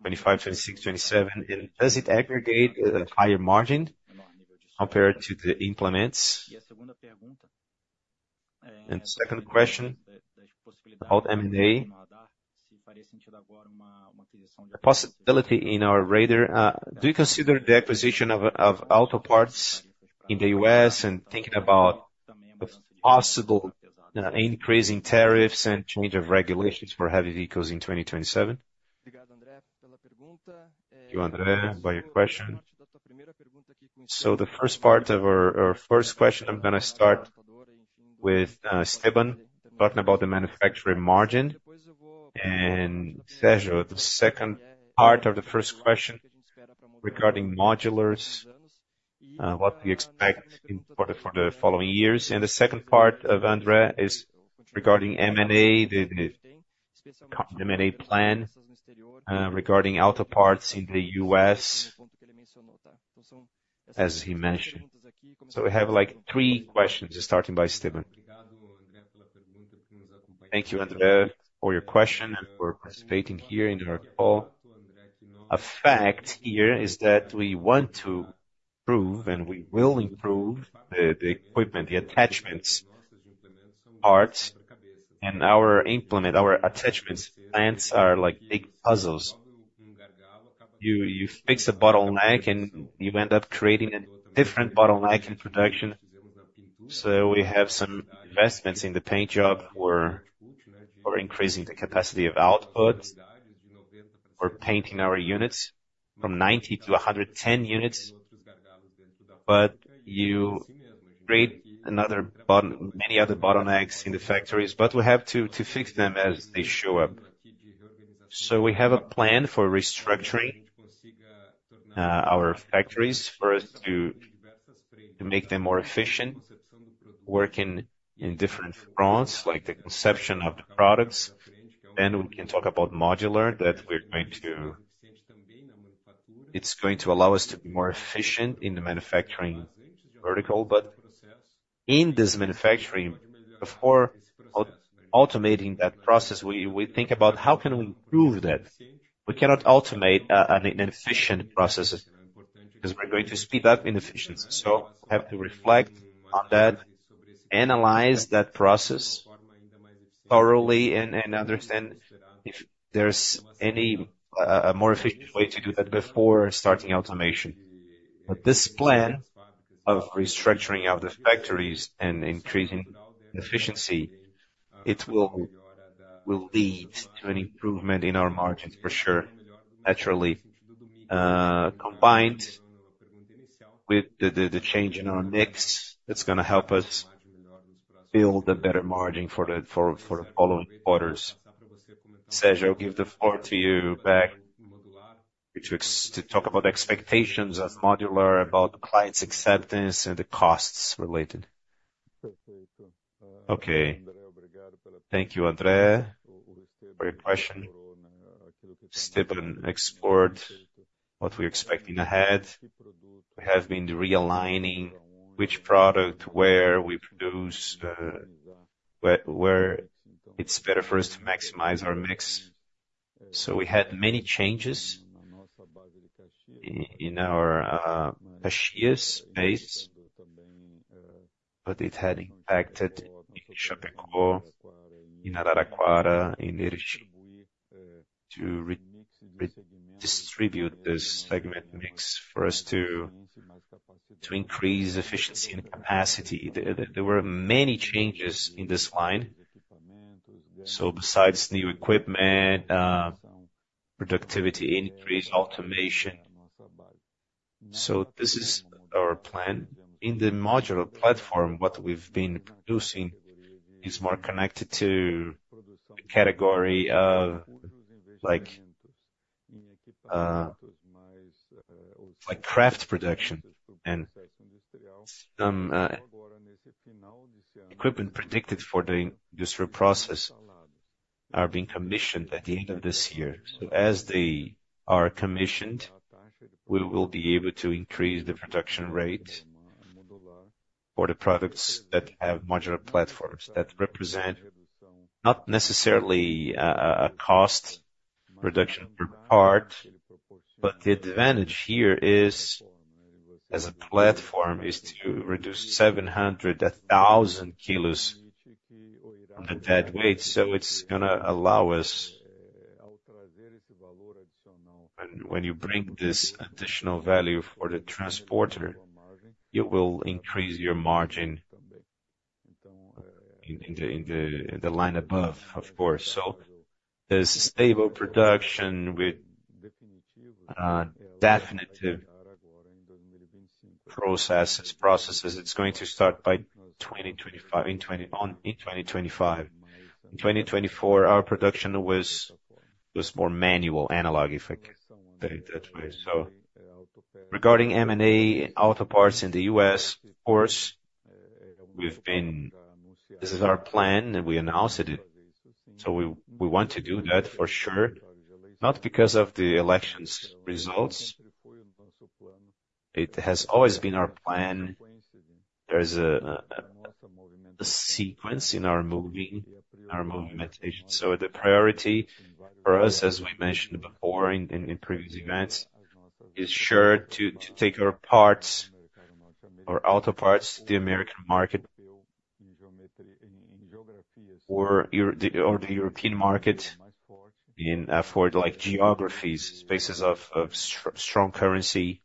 Speaker 9: 25, 26, 27? And does it aggregate a higher margin compared to the implements? And the second question, about M&A, a possibility in our radar. Do you consider the acquisition of auto parts in the U.S. and thinking about the possible increase in tariffs and change of regulations for heavy vehicles in 2027?
Speaker 2: Thank you, André, by your question. So the first part of our first question, I'm going to start with Esteban talking about the manufacturer margin. And Sergio, the second part of the first question regarding modulars, what do you expect for the following years? And the second part of André is regarding M&A, the M&A plan regarding auto parts in the U.S., as he mentioned. So we have like three questions, starting by Esteban.
Speaker 6: Thank you, André, for your question and for participating here in our call. A fact here is that we want to improve, and we will improve the equipment, the attachments, parts. And our implement, our attachments, plants are like big puzzles. You fix a bottleneck, and you end up creating a different bottleneck in production. So we have some investments in the paint job for increasing the capacity of output, for painting our units from 90-110 units. But you create another bottleneck, many other bottlenecks in the factories, but we have to fix them as they show up. So we have a plan for restructuring our factories for us to make them more efficient, working in different fronts, like the conception of the products. Then we can talk about modular that we're going to. It's going to allow us to be more efficient in the manufacturing vertical. But in this manufacturing, before automating that process, we think about how can we improve that. We cannot automate an inefficient process because we're going to speed up inefficiency. So we have to reflect on that, analyze that process thoroughly, and understand if there's any more efficient way to do that before starting automation. But this plan of restructuring of the factories and increasing efficiency, it will lead to an improvement in our margins, for sure, naturally, combined with the change in our mix. It's going to help us build a better margin for the following quarters. Sergio, I'll give the floor back to you to talk about expectations of modular, about clients' acceptance, and the costs related.
Speaker 3: Okay. Thank you, André. For your question, Esteban explored what we're expecting ahead. We have been realigning which product, where we produce, where it's better for us to maximize our mix. So we had many changes in our Caxias do Sul, but it had impacted in Chapecó, in Araraquara, in. To distribute this segment mix for us to increase efficiency and capacity. There were many changes in this line. So besides new equipment, productivity increase, automation. So this is our plan. In the modular platform, what we've been producing is more connected to the category of craft production. And some equipment provided for the industrial process are being commissioned at the end of this year. So as they are commissioned, we will be able to increase the production rate for the products that have modular platforms that represent not necessarily a cost reduction per part, but the advantage here is, as a platform, is to reduce 700,000 kilos on the dead weight.
Speaker 1: So it's going to allow us, when you bring this additional value for the transporter, it will increase your margin in the line above, of course. So there's stable production with definitive processes. It's going to start by 2025. In 2024, our production was more manual, analog, if I can put it that way. So regarding M&A auto parts in the U.S., of course, this is our plan, and we announced it. So we want to do that for sure, not because of the election results. It has always been our plan. There's a sequence in our movement. So the priority for us, as we mentioned before in previous events, is sure to take our parts, our auto parts, to the American market or the European market in geographies, spaces of strong currency.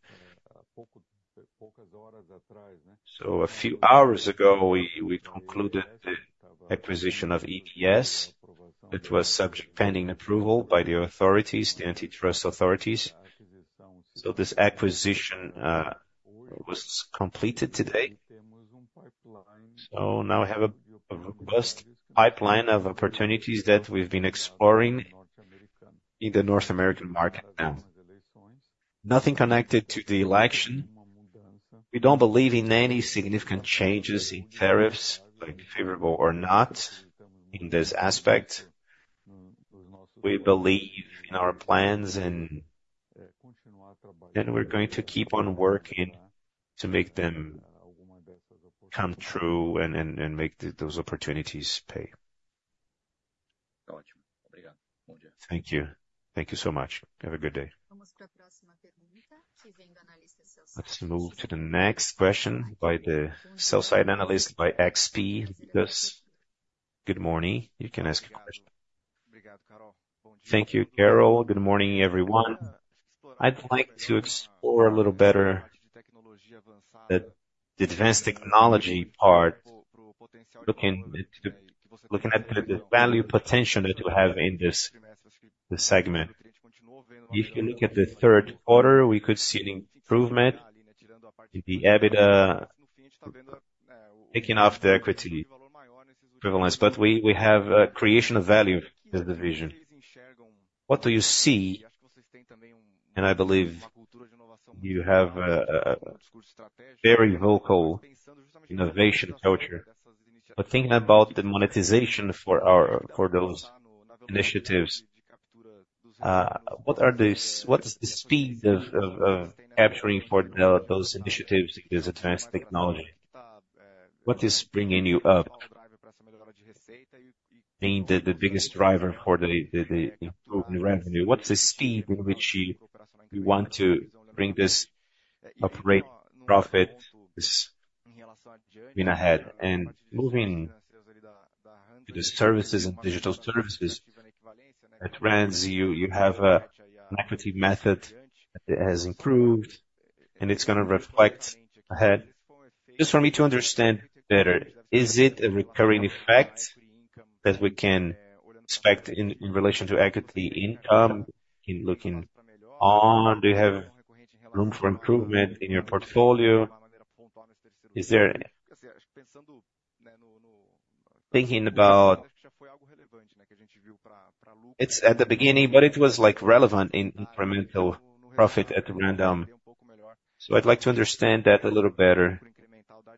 Speaker 1: So a few hours ago, we concluded the acquisition of EBS. It was subject to pending approval by the authorities, the antitrust authorities. So this acquisition was completed today. So now we have a robust pipeline of opportunities that we've been exploring in the North American market now. Nothing connected to the election. We don't believe in any significant changes in tariffs, favorable or not, in this aspect. We believe in our plans, and we're going to keep on working to make them come true and make those opportunities pay.
Speaker 9: Thank you. Thank you so much. Have a good day.
Speaker 1: Let's move to the next question by the sell-side analyst by XP. Good morning. You can ask your question.
Speaker 10: Thank you, Carol. Good morning, everyone. I'd like to explore a little better the advanced technology part, looking at the value potential that you have in this segment. If you look at the third quarter, we could see an improvement in the EBITDA taking off the equity method. But we have a creation of value in the division. What do you see? And I believe you have a very vocal innovation culture. But thinking about the monetization for those initiatives, what is the speed of capturing for those initiatives in this advanced technology? What is bringing you up? Being the biggest driver for the improved revenue. What's the speed in which you want to bring this operating profit? This has been ahead. And moving to the services and digital services, at Rands, you have an equity method that has improved, and it's going to reflect ahead. Just for me to understand better, is it a recurring effect that we can expect in relation to equity income? Looking ahead, do you have room for improvement in your portfolio? Is there? Thinking about it's at the beginning, but it was relevant in incremental profit at Randon. So I'd like to understand that a little better.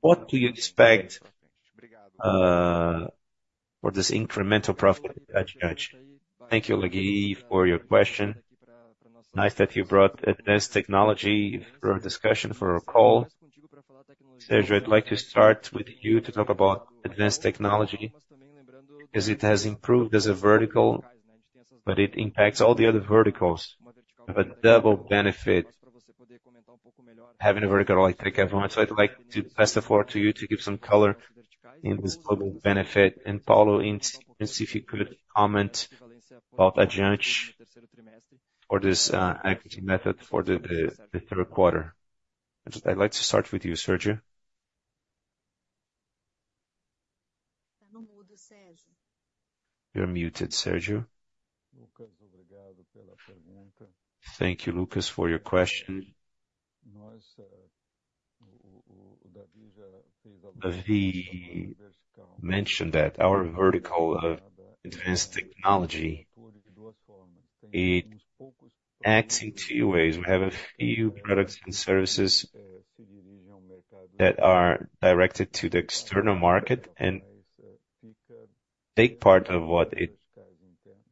Speaker 10: What do you expect for this incremental profit?
Speaker 2: Thank you, Lucas, for your question. Nice that you brought advanced technology for our discussion, for our call. Sergio, I'd like to start with you to talk about advanced technology because it has improved as a vertical, but it impacts all the other verticals. You have a double benefit of having a vertical like tech everyone. So I'd like to pass the floor to you to give some color in this global benefit. And Paulo, see if you could comment about adjustments for this equity method for the third quarter. I'd like to start with you, Sergio.
Speaker 1: You're muted, Sergio.
Speaker 3: Lucas, obrigado pela pergunta. Thank you, Lucas, for your question. David already made the reminder and mentioned the vertical. Our vertical of advanced technology has a few acting two ways. We have a few products and services that are directed to the external market and take part of what it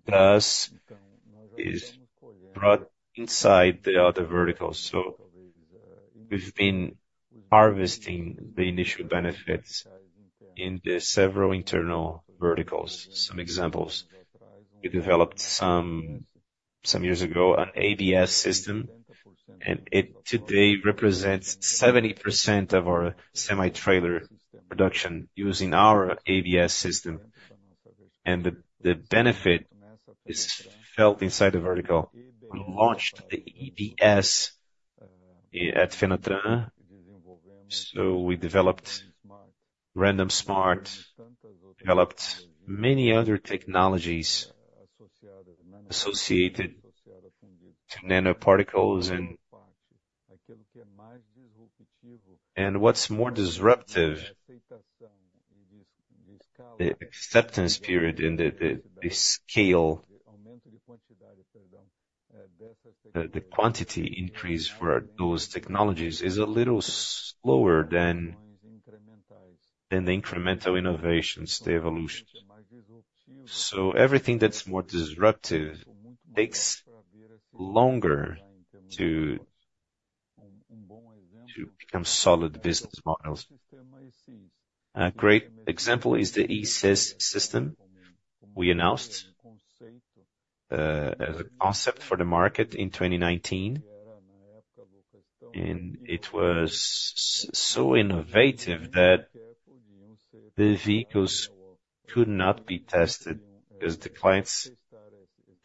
Speaker 3: does. Então, nós já estamos colhendo frutos nos outros verticals. So we've been harvesting the initial benefits in several internal verticals. Some examples: we developed some years ago an ABS system, and it today represents 70% of our semi-trailer production using our ABS system. And the benefit is felt inside the vertical. We launched the EBS at Fenatran. So we developed Randon Smart, developed many other technologies associated to nanoparticles and e o que é mais disruptivo and what's more disruptive é a aceitação e de escala the acceptance period in the scale de quantity increase for those technologies is a little slower than the incremental innovations, the evolutions. So everything that's more disruptive takes longer to become solid business models. A great example is the e-Sys system we announced as a concept for the market in 2019. And it was so innovative that the vehicles could not be tested because the clients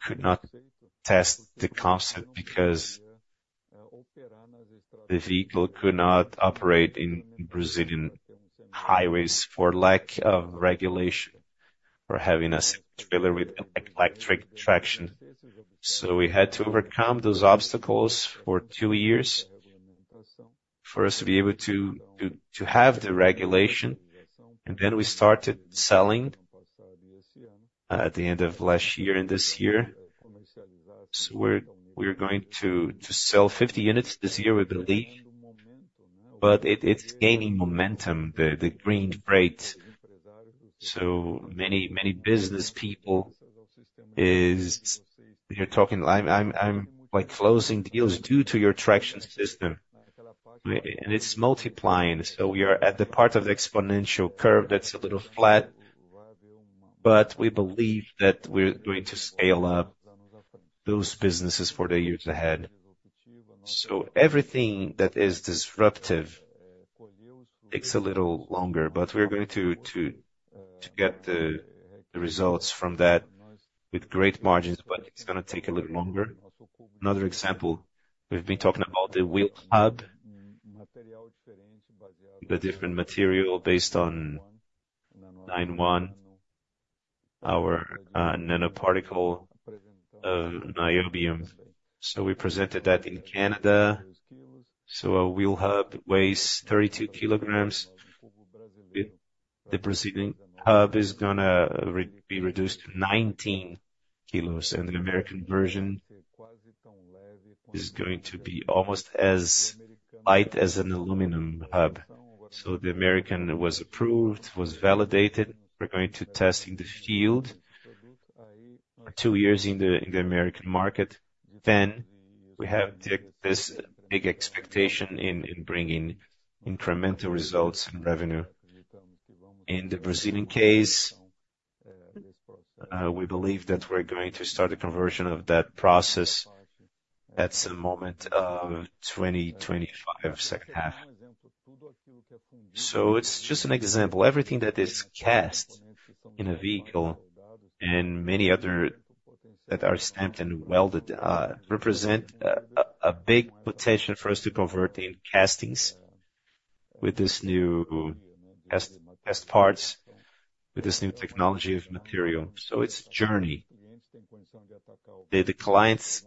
Speaker 3: could not test the concept because the vehicle could not operate in Brazilian highways for lack of regulation for having a semi-trailer with electric traction. So we had to overcome those obstacles for two years for us to be able to have the regulation. And then we started selling at the end of last year and this year. So we're going to sell 50 units this year, we believe. But it's gaining momentum, the green rate. So many business people, you're talking, I'm closing deals due to your traction system. And it's multiplying. So we are at the part of the exponential curve that's a little flat. But we believe that we're going to scale up those businesses for the years ahead. So everything that is disruptive takes a little longer. But we're going to get the results from that with great margins. But it's going to take a little longer. Another example, we've been talking about the wheel hub, the different material based on Nione, our nanoparticle of niobium. So we presented that in Canada. So a wheel hub weighs 32 kilograms. The preceding hub is going to be reduced to 19 kilos. The American version is going to be almost as light as an aluminum hub. The American was approved, was validated. We're going to test in the field for two years in the American market. We have this big expectation in bringing incremental results and revenue. In the Brazilian case, we believe that we're going to start a conversion of that process at some moment of 2025, second half. It's just an example. Everything that is cast in a vehicle and many other that are stamped and welded represent a big potential for us to convert in castings with this new test parts, with this new technology of material. It's a journey. The clients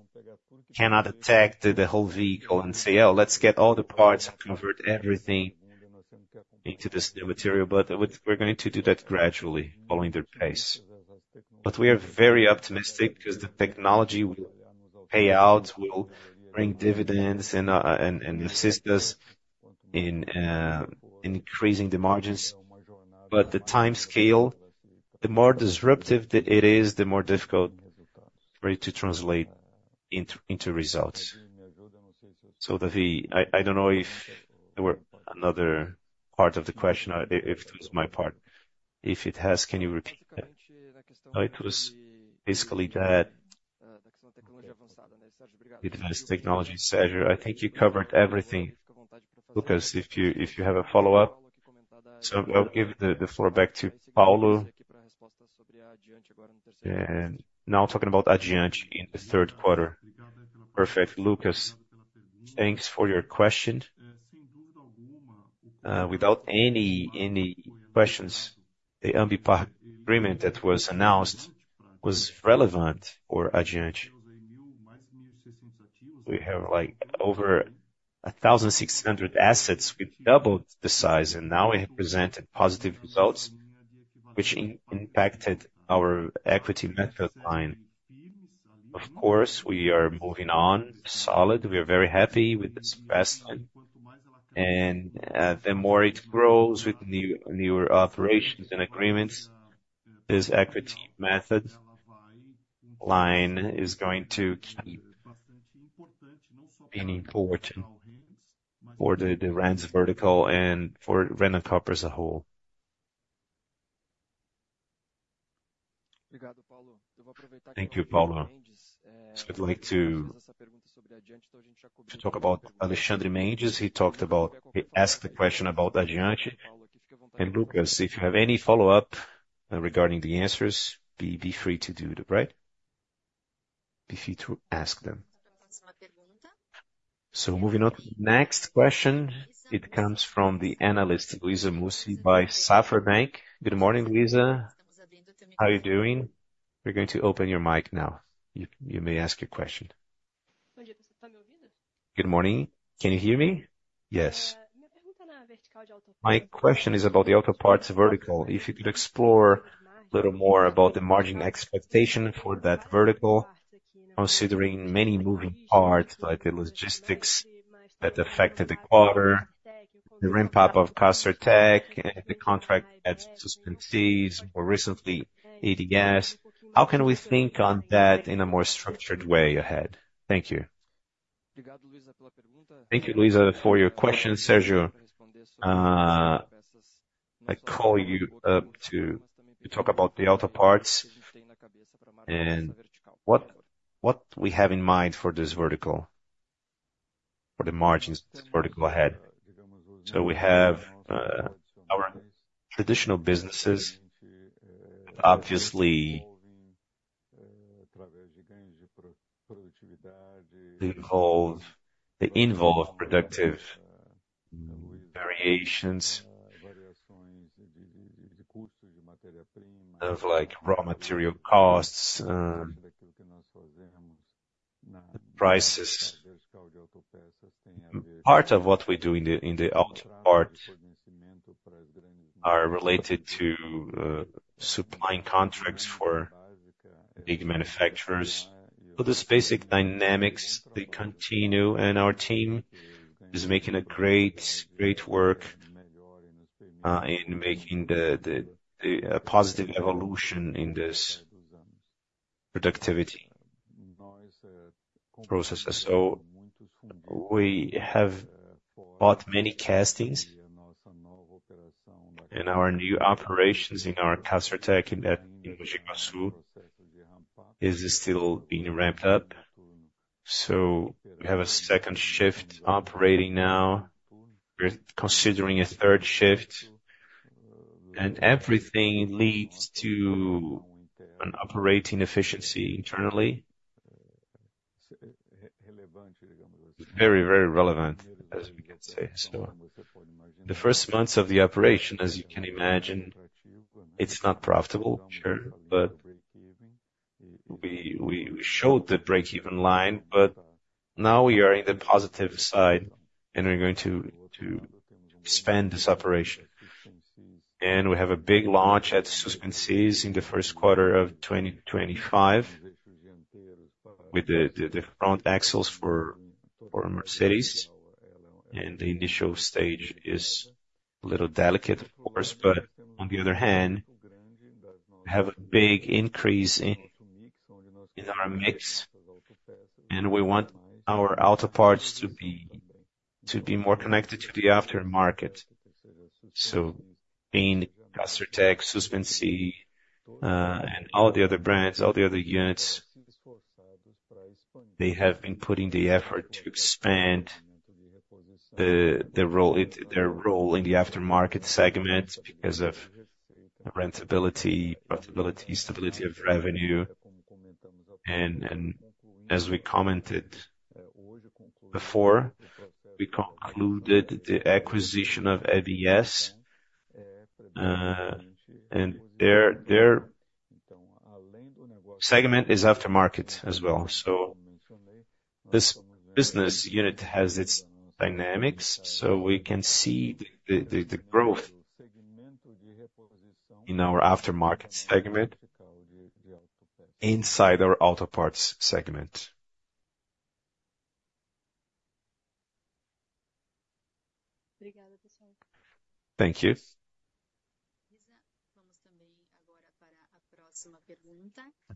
Speaker 3: cannot attack the whole vehicle and say, "Oh, let's get all the parts and convert everything into this new material." We're going to do that gradually, following their pace. But we are very optimistic because the technology will pay out, will bring dividends and assist us in increasing the margins. But the time scale, the more disruptive it is, the more difficult for you to translate into results. So I don't know if there were another part of the question, if it was my part. If it has, can you repeat that? It was basically that. Advanced technology,
Speaker 2: Sergio. I think you covered everything. Lucas, if you have a follow-up, so I'll give the floor back to Paulo. Não, talking about Rands in the third quarter.
Speaker 5: Perfect. Lucas, thanks for your question. Without any questions, the MBPAC agreement that was announced was relevant for Rands. We have over 1,600 assets. We doubled the size, and now we have presented positive results, which impacted our Equity Method line. Of course, we are moving on solid. We are very happy with this investment. And the more it grows with newer operations and agreements, this equity method line is going to keep being important for the Rands vertical and for Randoncorp as a whole.
Speaker 2: He talked about Alexandre Mendes. He asked the question about Addiante. And Lucas, if you have any follow-up regarding the answers, be free to do it, right? Be free to ask them.
Speaker 1: So moving on to the next question. It comes from the analyst Luiza Mussi by Safra. Good morning, Luiza. How are you doing? We're going to open your mic now. You may ask your question.
Speaker 11: Good morning. Can you hear me?
Speaker 1: Yes.
Speaker 11: My question is about the Autoparts vertical. If you could explore a little more about the margin expectation for that vertical, considering many moving parts, like the logistics that affected the quarter, the ramp-up of Castertech, and the contract that Suspensys more recently, e-Sys. How can we think on that in a more structured way ahead? Thank you.
Speaker 2: Thank you, Luiza, for your question. Sergio, I call you up to talk about the Autoparts and what we have in mind for this vertical, for the margins of this vertical ahead.
Speaker 3: So we have our traditional businesses, obviously, the involved productivity variations of raw material costs. Part of what we do in the Autoparts are related to supplying contracts for big manufacturers. So this basic dynamics, they continue, and our team is making great work in making the positive evolution in this productivity process. So we have bought many castings in our new operations in our Castertech in Mogi Guaçu. It is still being ramped up. So we have a second shift operating now. We're considering a third shift. And everything leads to an operating efficiency internally. Very, very relevant, as we can say. So the first months of the operation, as you can imagine, it's not profitable, sure. But we showed the break-even line. But now we are in the positive side, and we're going to expand this operation. And we have a big launch at Suspensys in the first quarter of 2025 with the front axles for Mercedes. And the initial stage is a little delicate, of course. But on the other hand, we have a big increase in our mix. And we want our auto parts to be more connected to the aftermarket. So being Castertech, Suspensys, and all the other brands, all the other units, they have been putting the effort to expand their role in the aftermarket segment because of rentability, profitability, stability of revenue. And as we commented before, we concluded the acquisition of EBS. And their segment is aftermarket as well. So this business unit has its dynamics. So we can see the growth in our aftermarket segment inside our autoparts segment. Obrigada, pessoal. Thank you. Luiza.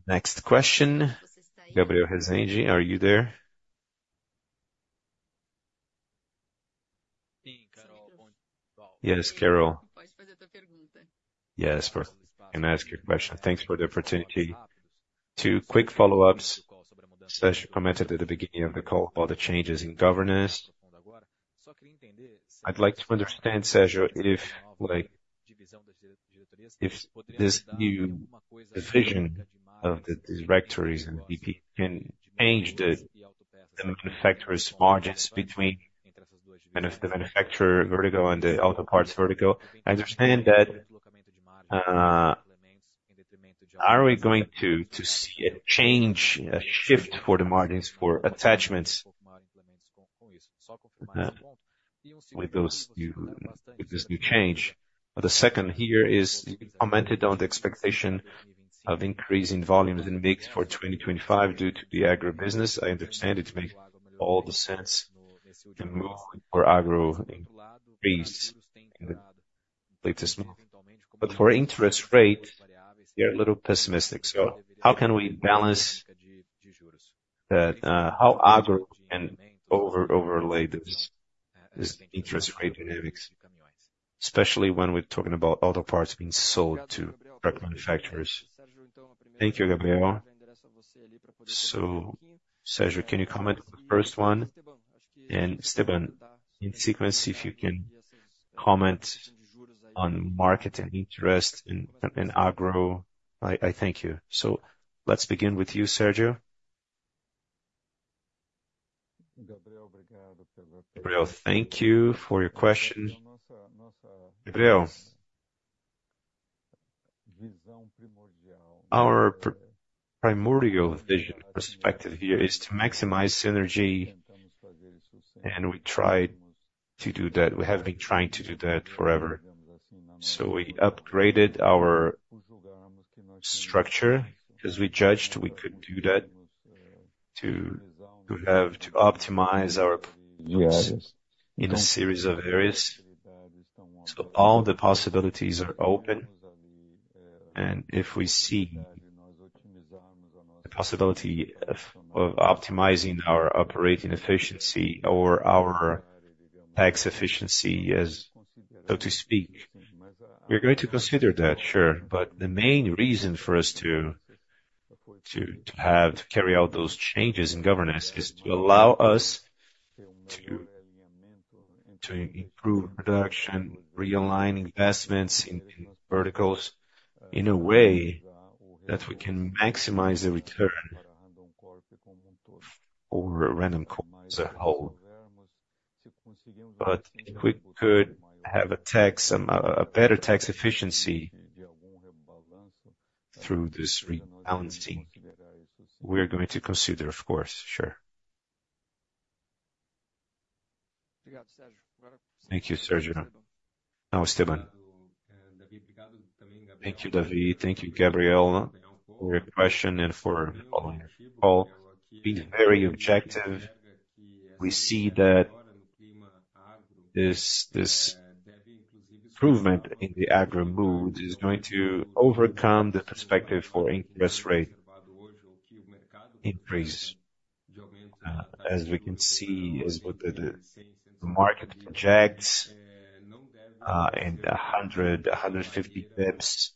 Speaker 1: Next question. Gabriel Rezende, are you there?
Speaker 8: Carol. Yes, Carol.
Speaker 1: Yes, of course. You can ask your question?
Speaker 8: Thanks for the opportunity. Two quick follow-ups. Sergio commented at the beginning of the call about the changes in governance. I'd like to understand, Sergio, if this new division of the directories can change the manufacturer's margins between the manufacturer vertical and the autoparts vertical. I understand that are we going to see a change, a shift for the margins for attachments? With this new change. The second here is commented on the expectation of increasing volumes in MIGS for 2025 due to the agribusiness. I understand it makes all the sense to move for agro increase in the latest move. But for interest rates, they're a little pessimistic. So how can we balance that? How agro can overlay this interest rate dynamics, especially when we're talking about autoparts being sold to direct manufacturers?
Speaker 2: Thank you, Gabriel. So, Sergio, can you comment on the first one? And Esteban, in sequence, if you can comment on market and interest in agro. I thank you. So let's begin with you, Sergio.
Speaker 3: Gabriel, thank you for your question. Gabriel, our primary vision perspective here is to maximize synergy, and we tried to do that. We have been trying to do that forever, so we upgraded our structure because we judged we could do that to optimize our new areas in a series of areas. So all the possibilities are open, and if we see the possibility of optimizing our operating efficiency or our tax efficiency, so to speak, we're going to consider that, sure, but the main reason for us to carry out those changes in governance is to allow us to improve production, realign investments in verticals in a way that we can maximize the return over Randoncorp's costs as a whole, but if we could have a better tax efficiency through this rebalancing, we're going to consider, of course, sure.
Speaker 2: Thank you, Sergio. Não, Esteban.
Speaker 6: Thank you, David. Thank you, Gabriel, for your question and for following our call. Being very objective, we see that this improvement in the agro moves is going to overcome the perspective for interest rate increase. As we can see, as the market projects in 100-150 bps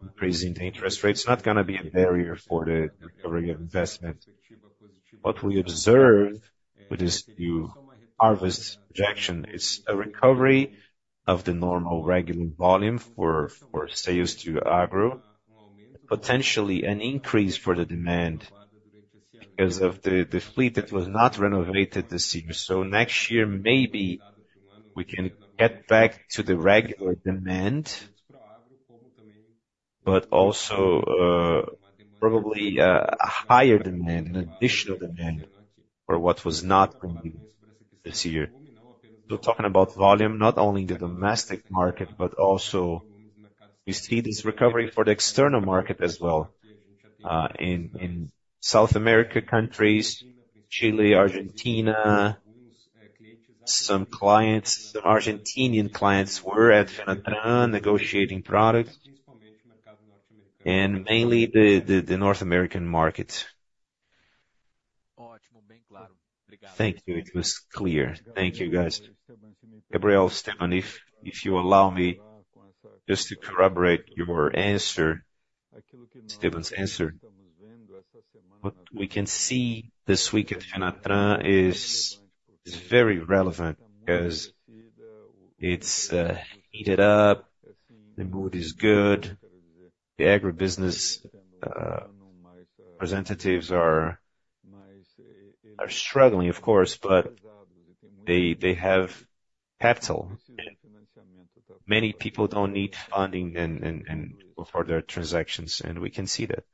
Speaker 6: increase in the interest rates, it's not going to be a barrier for the recovery of investment. What we observe with this new harvest projection is a recovery of the normal regular volume for sales to agro, potentially an increase for the demand because of the fleet that was not renovated this year. So next year, maybe we can get back to the regular demand, but also probably a higher demand, an additional demand for what was not renewed this year. So talking about volume, not only in the domestic market, but also we see this recovery for the external market as well. In South America countries, Chile, Argentina, some clients, some Argentinian clients were at Fenatran negotiating products, and mainly the North American market.
Speaker 8: Thank you. It was clear. Thank you, guys.
Speaker 3: Gabriel, Esteban, if you allow me just to corroborate your answer, Esteban's answer, what we can see this week at Fenatran is very relevant because it's heated up, the mood is good, the agribusiness representatives are struggling, of course, but they have capital. Many people don't need funding for their transactions, and we can see that.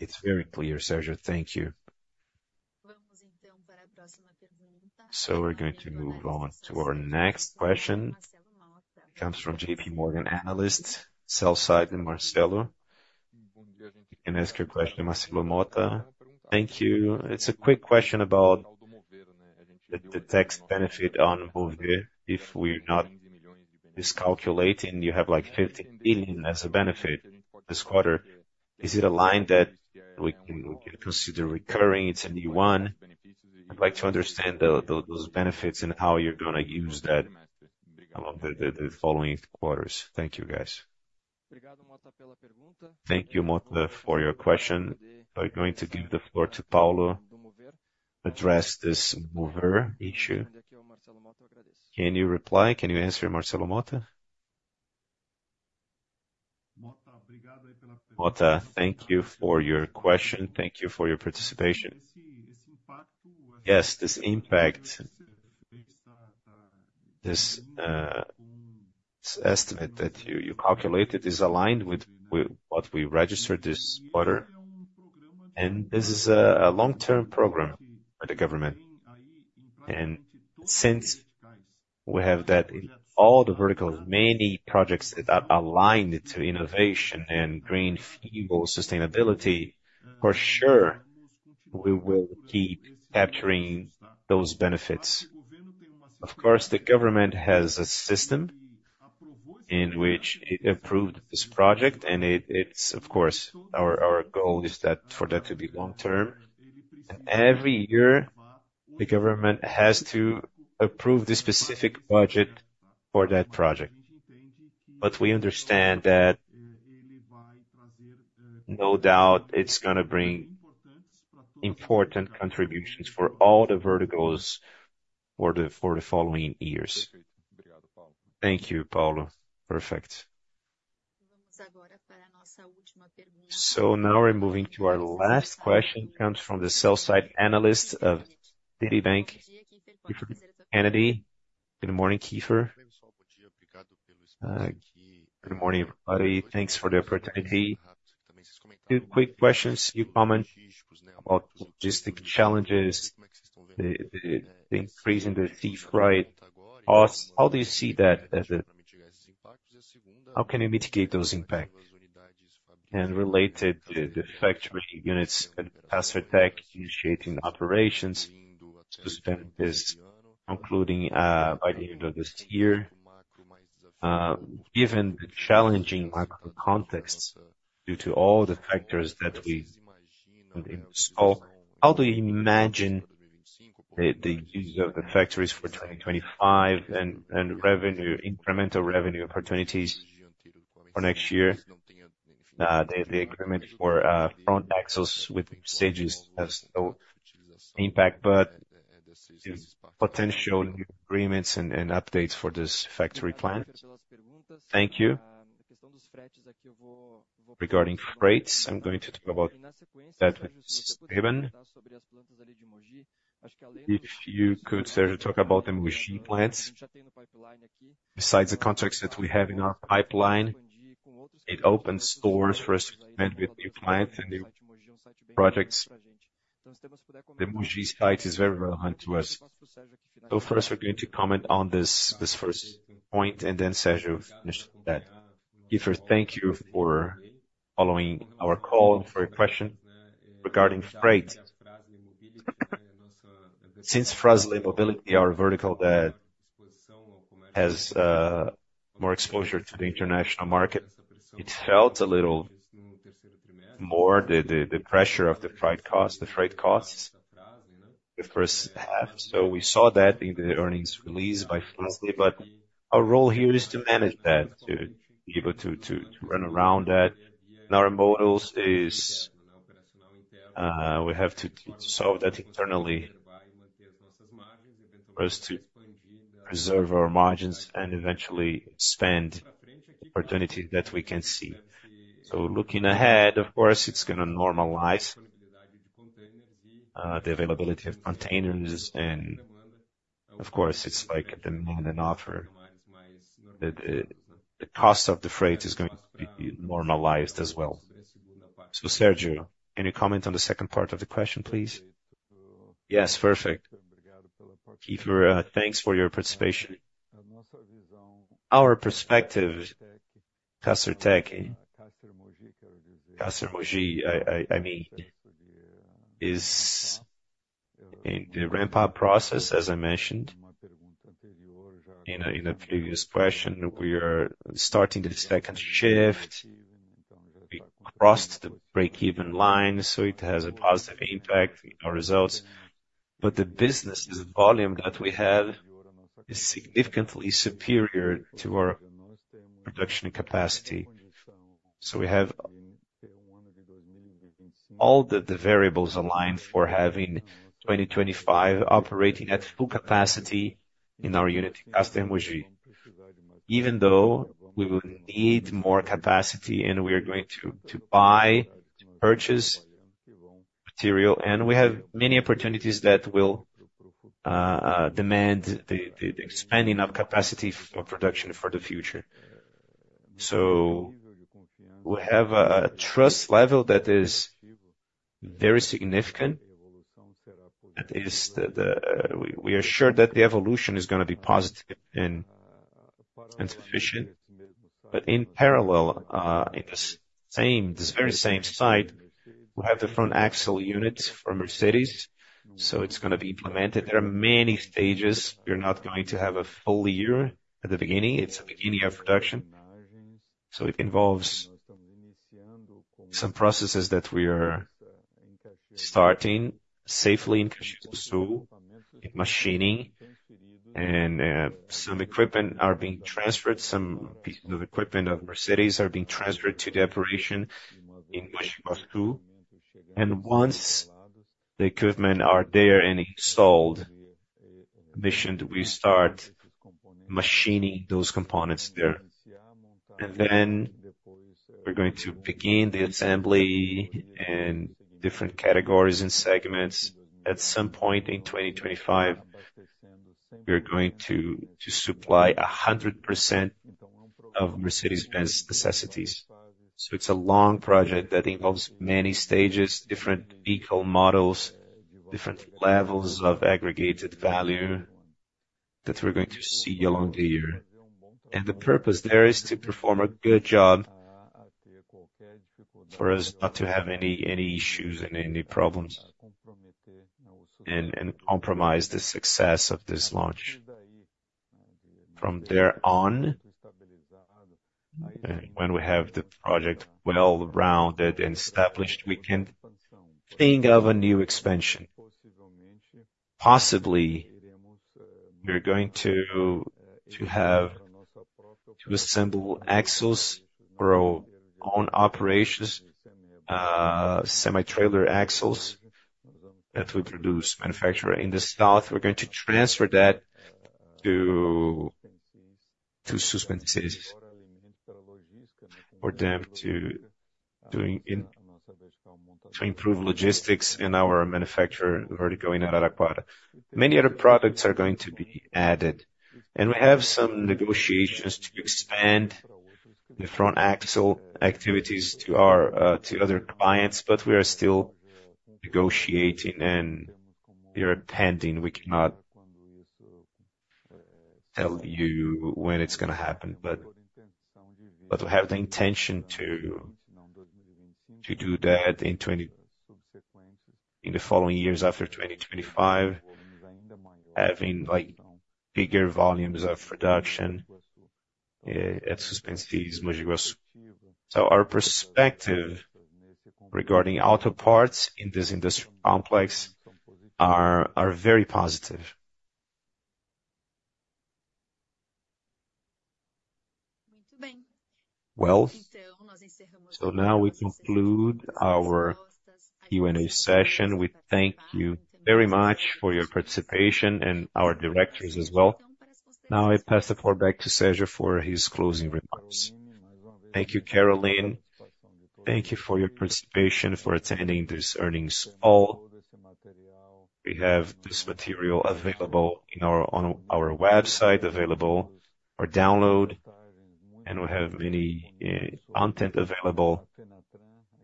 Speaker 8: It's very clear, Sergio. Thank you.
Speaker 1: So we're going to move on to our next question. It comes from JP Morgan analyst, sell-side and Marcelo. You can ask your question to Marcelo Motta.
Speaker 12: Thank you. It's a quick question about the tax benefit on MOVER. If we're not miscalculating, you have like 15 billion as a benefit this quarter. Is it a line that we can consider recurring? It's a new one. I'd like to understand those benefits and how you're going to use that along the following quarters. Thank you, guys.
Speaker 2: Thank you, Mota, for your question. I'm going to give the floor to Paulo to address this MOVER issue. Can you reply? Can you answer, Marcelo Motta?
Speaker 5: Mota, thank you for your question. Thank you for your participation. Yes, this impact, this estimate that you calculated is aligned with what we registered this quarter. And this is a long-term program for the government. And since we have that in all the verticals, many projects that are aligned to innovation and green fuel sustainability, for sure, we will keep capturing those benefits. Of course, the government has a system in which it approved this project. And it's, of course, our goal is for that to be long-term. And every year, the government has to approve the specific budget for that project. But we understand that no doubt it's going to bring important contributions for all the verticals for the following years.
Speaker 13: Thank you, Paulo. Perfect.
Speaker 1: So now we're moving to our last question. It comes from the sell-side analyst of Citibank Kiepher Kennedy. Good morning, Kiepher.
Speaker 14: Good morning, everybody. Thanks for the opportunity. Two quick questions. You comment about logistics challenges, the increase in the theft rate. How do you see that? How can you mitigate those impacts? Related to the factory units at Castertech initiating operations, as Esteban is concluding by the end of this year, given the challenging macro contexts due to all the factors that we discussed, how do you imagine the use of the factories for 2025 and incremental revenue opportunities for next year? The agreement for front axles with Suspensys has no impact, but potential new agreements and updates for this factory plan.
Speaker 2: Thank you. Regarding freights, I'm going to talk about that with Esteban. If you could, Sergio, talk about the Mogi plants. Besides the contracts that we have in our pipeline, it opens doors for us to connect with new clients and new projects. The Mogi site is very relevant to us. So first, we're going to comment on this first point, and then Sergio finishes that.
Speaker 6: Kieffer, thank you for following our call and for your question regarding freights. Since Fras-le Mobility, our vertical, that has more exposure to the international market, it felt a little more the pressure of the freight costs, the freight costs the first half. So we saw that in the earnings release by Fras-le. But our role here is to manage that, to be able to run around that. In our models, we have to solve that internally for us to preserve our margins and eventually expand opportunities that we can see. So looking ahead, of course, it's going to normalize the availability of containers. And of course, it's like demand and offer. The cost of the freight is going to be normalized as well. So Sergio, can you comment on the second part of the question, please?
Speaker 3: Yes, perfect. Kieffer, thanks for your participation. Our perspective, Castertech and Castertech Mogi, I mean, is in the ramp-up process, as I mentioned in a previous question. We are starting the second shift across the break-even line, so it has a positive impact on our results. But the business volume that we have is significantly superior to our production capacity. So we have all the variables aligned for having 2025 operating at full capacity in our unit in Castertech Mogi, even though we will need more capacity and we are going to buy to purchase material. And we have many opportunities that will demand the expanding of capacity for production for the future. So we have a trust level that is very significant. We are sure that the evolution is going to be positive and sufficient. But in parallel, in the very same site, we have the front axle unit for Mercedes, so it's going to be implemented. There are many stages. We're not going to have a full year at the beginning. It's the beginning of production. So it involves some processes that we are starting safely in Caxias do Sul, machining, and some equipment are being transferred. Some pieces of equipment of Mercedes are being transferred to the operation in Caxias do Sul. And once the equipment is there and installed, we start machining those components there. And then we're going to begin the assembly in different categories and segments. At some point in 2025, we're going to supply 100% of Mercedes-Benz necessities. So it's a long project that involves many stages, different vehicle models, different levels of aggregated value that we're going to see along the year. The purpose there is to perform a good job for us not to have any issues and any problems and compromise the success of this launch. From there on, when we have the project well-rounded and established, we can think of a new expansion. Possibly, we're going to have to assemble axles for our own operations, semi-trailer axles that we produce, manufacture in the south. We're going to transfer that to Suspensys for them to improve logistics in our manufacturer vertical in Araraquara. Many other products are going to be added. We have some negotiations to expand the front axle activities to other clients, but we are still negotiating and we are pending. We cannot tell you when it's going to happen, but we have the intention to do that in the following years after 2025, having bigger volumes of production at Suspensys Guaçu. Our perspective regarding auto parts in this industry complex is very positive.
Speaker 1: So now we conclude our Q&A session. We thank you very much for your participation and our directors as well. Now I pass the floor back to Sergio for his closing remarks.
Speaker 3: Thank you, Caroline. Thank you for your participation, for attending this earnings call. We have this material available on our website, available for download, and we have many content available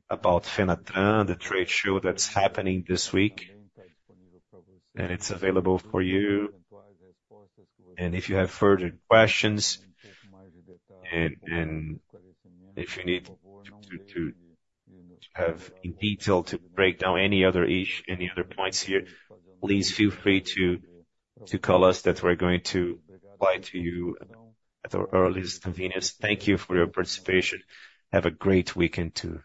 Speaker 3: about Fenatran, the trade show that's happening this week. And it's available for you. And if you have further questions, and if you need to have detailed breakdown, any other issue, any other points here, please feel free to call us that we're going to reply to you at our earliest convenience. Thank you for your participation. Have a great weekend too.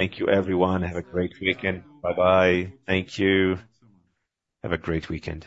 Speaker 3: Thank you, everyone. Have a great weekend.
Speaker 2: Bye-bye. Thank you. Have a great weekend.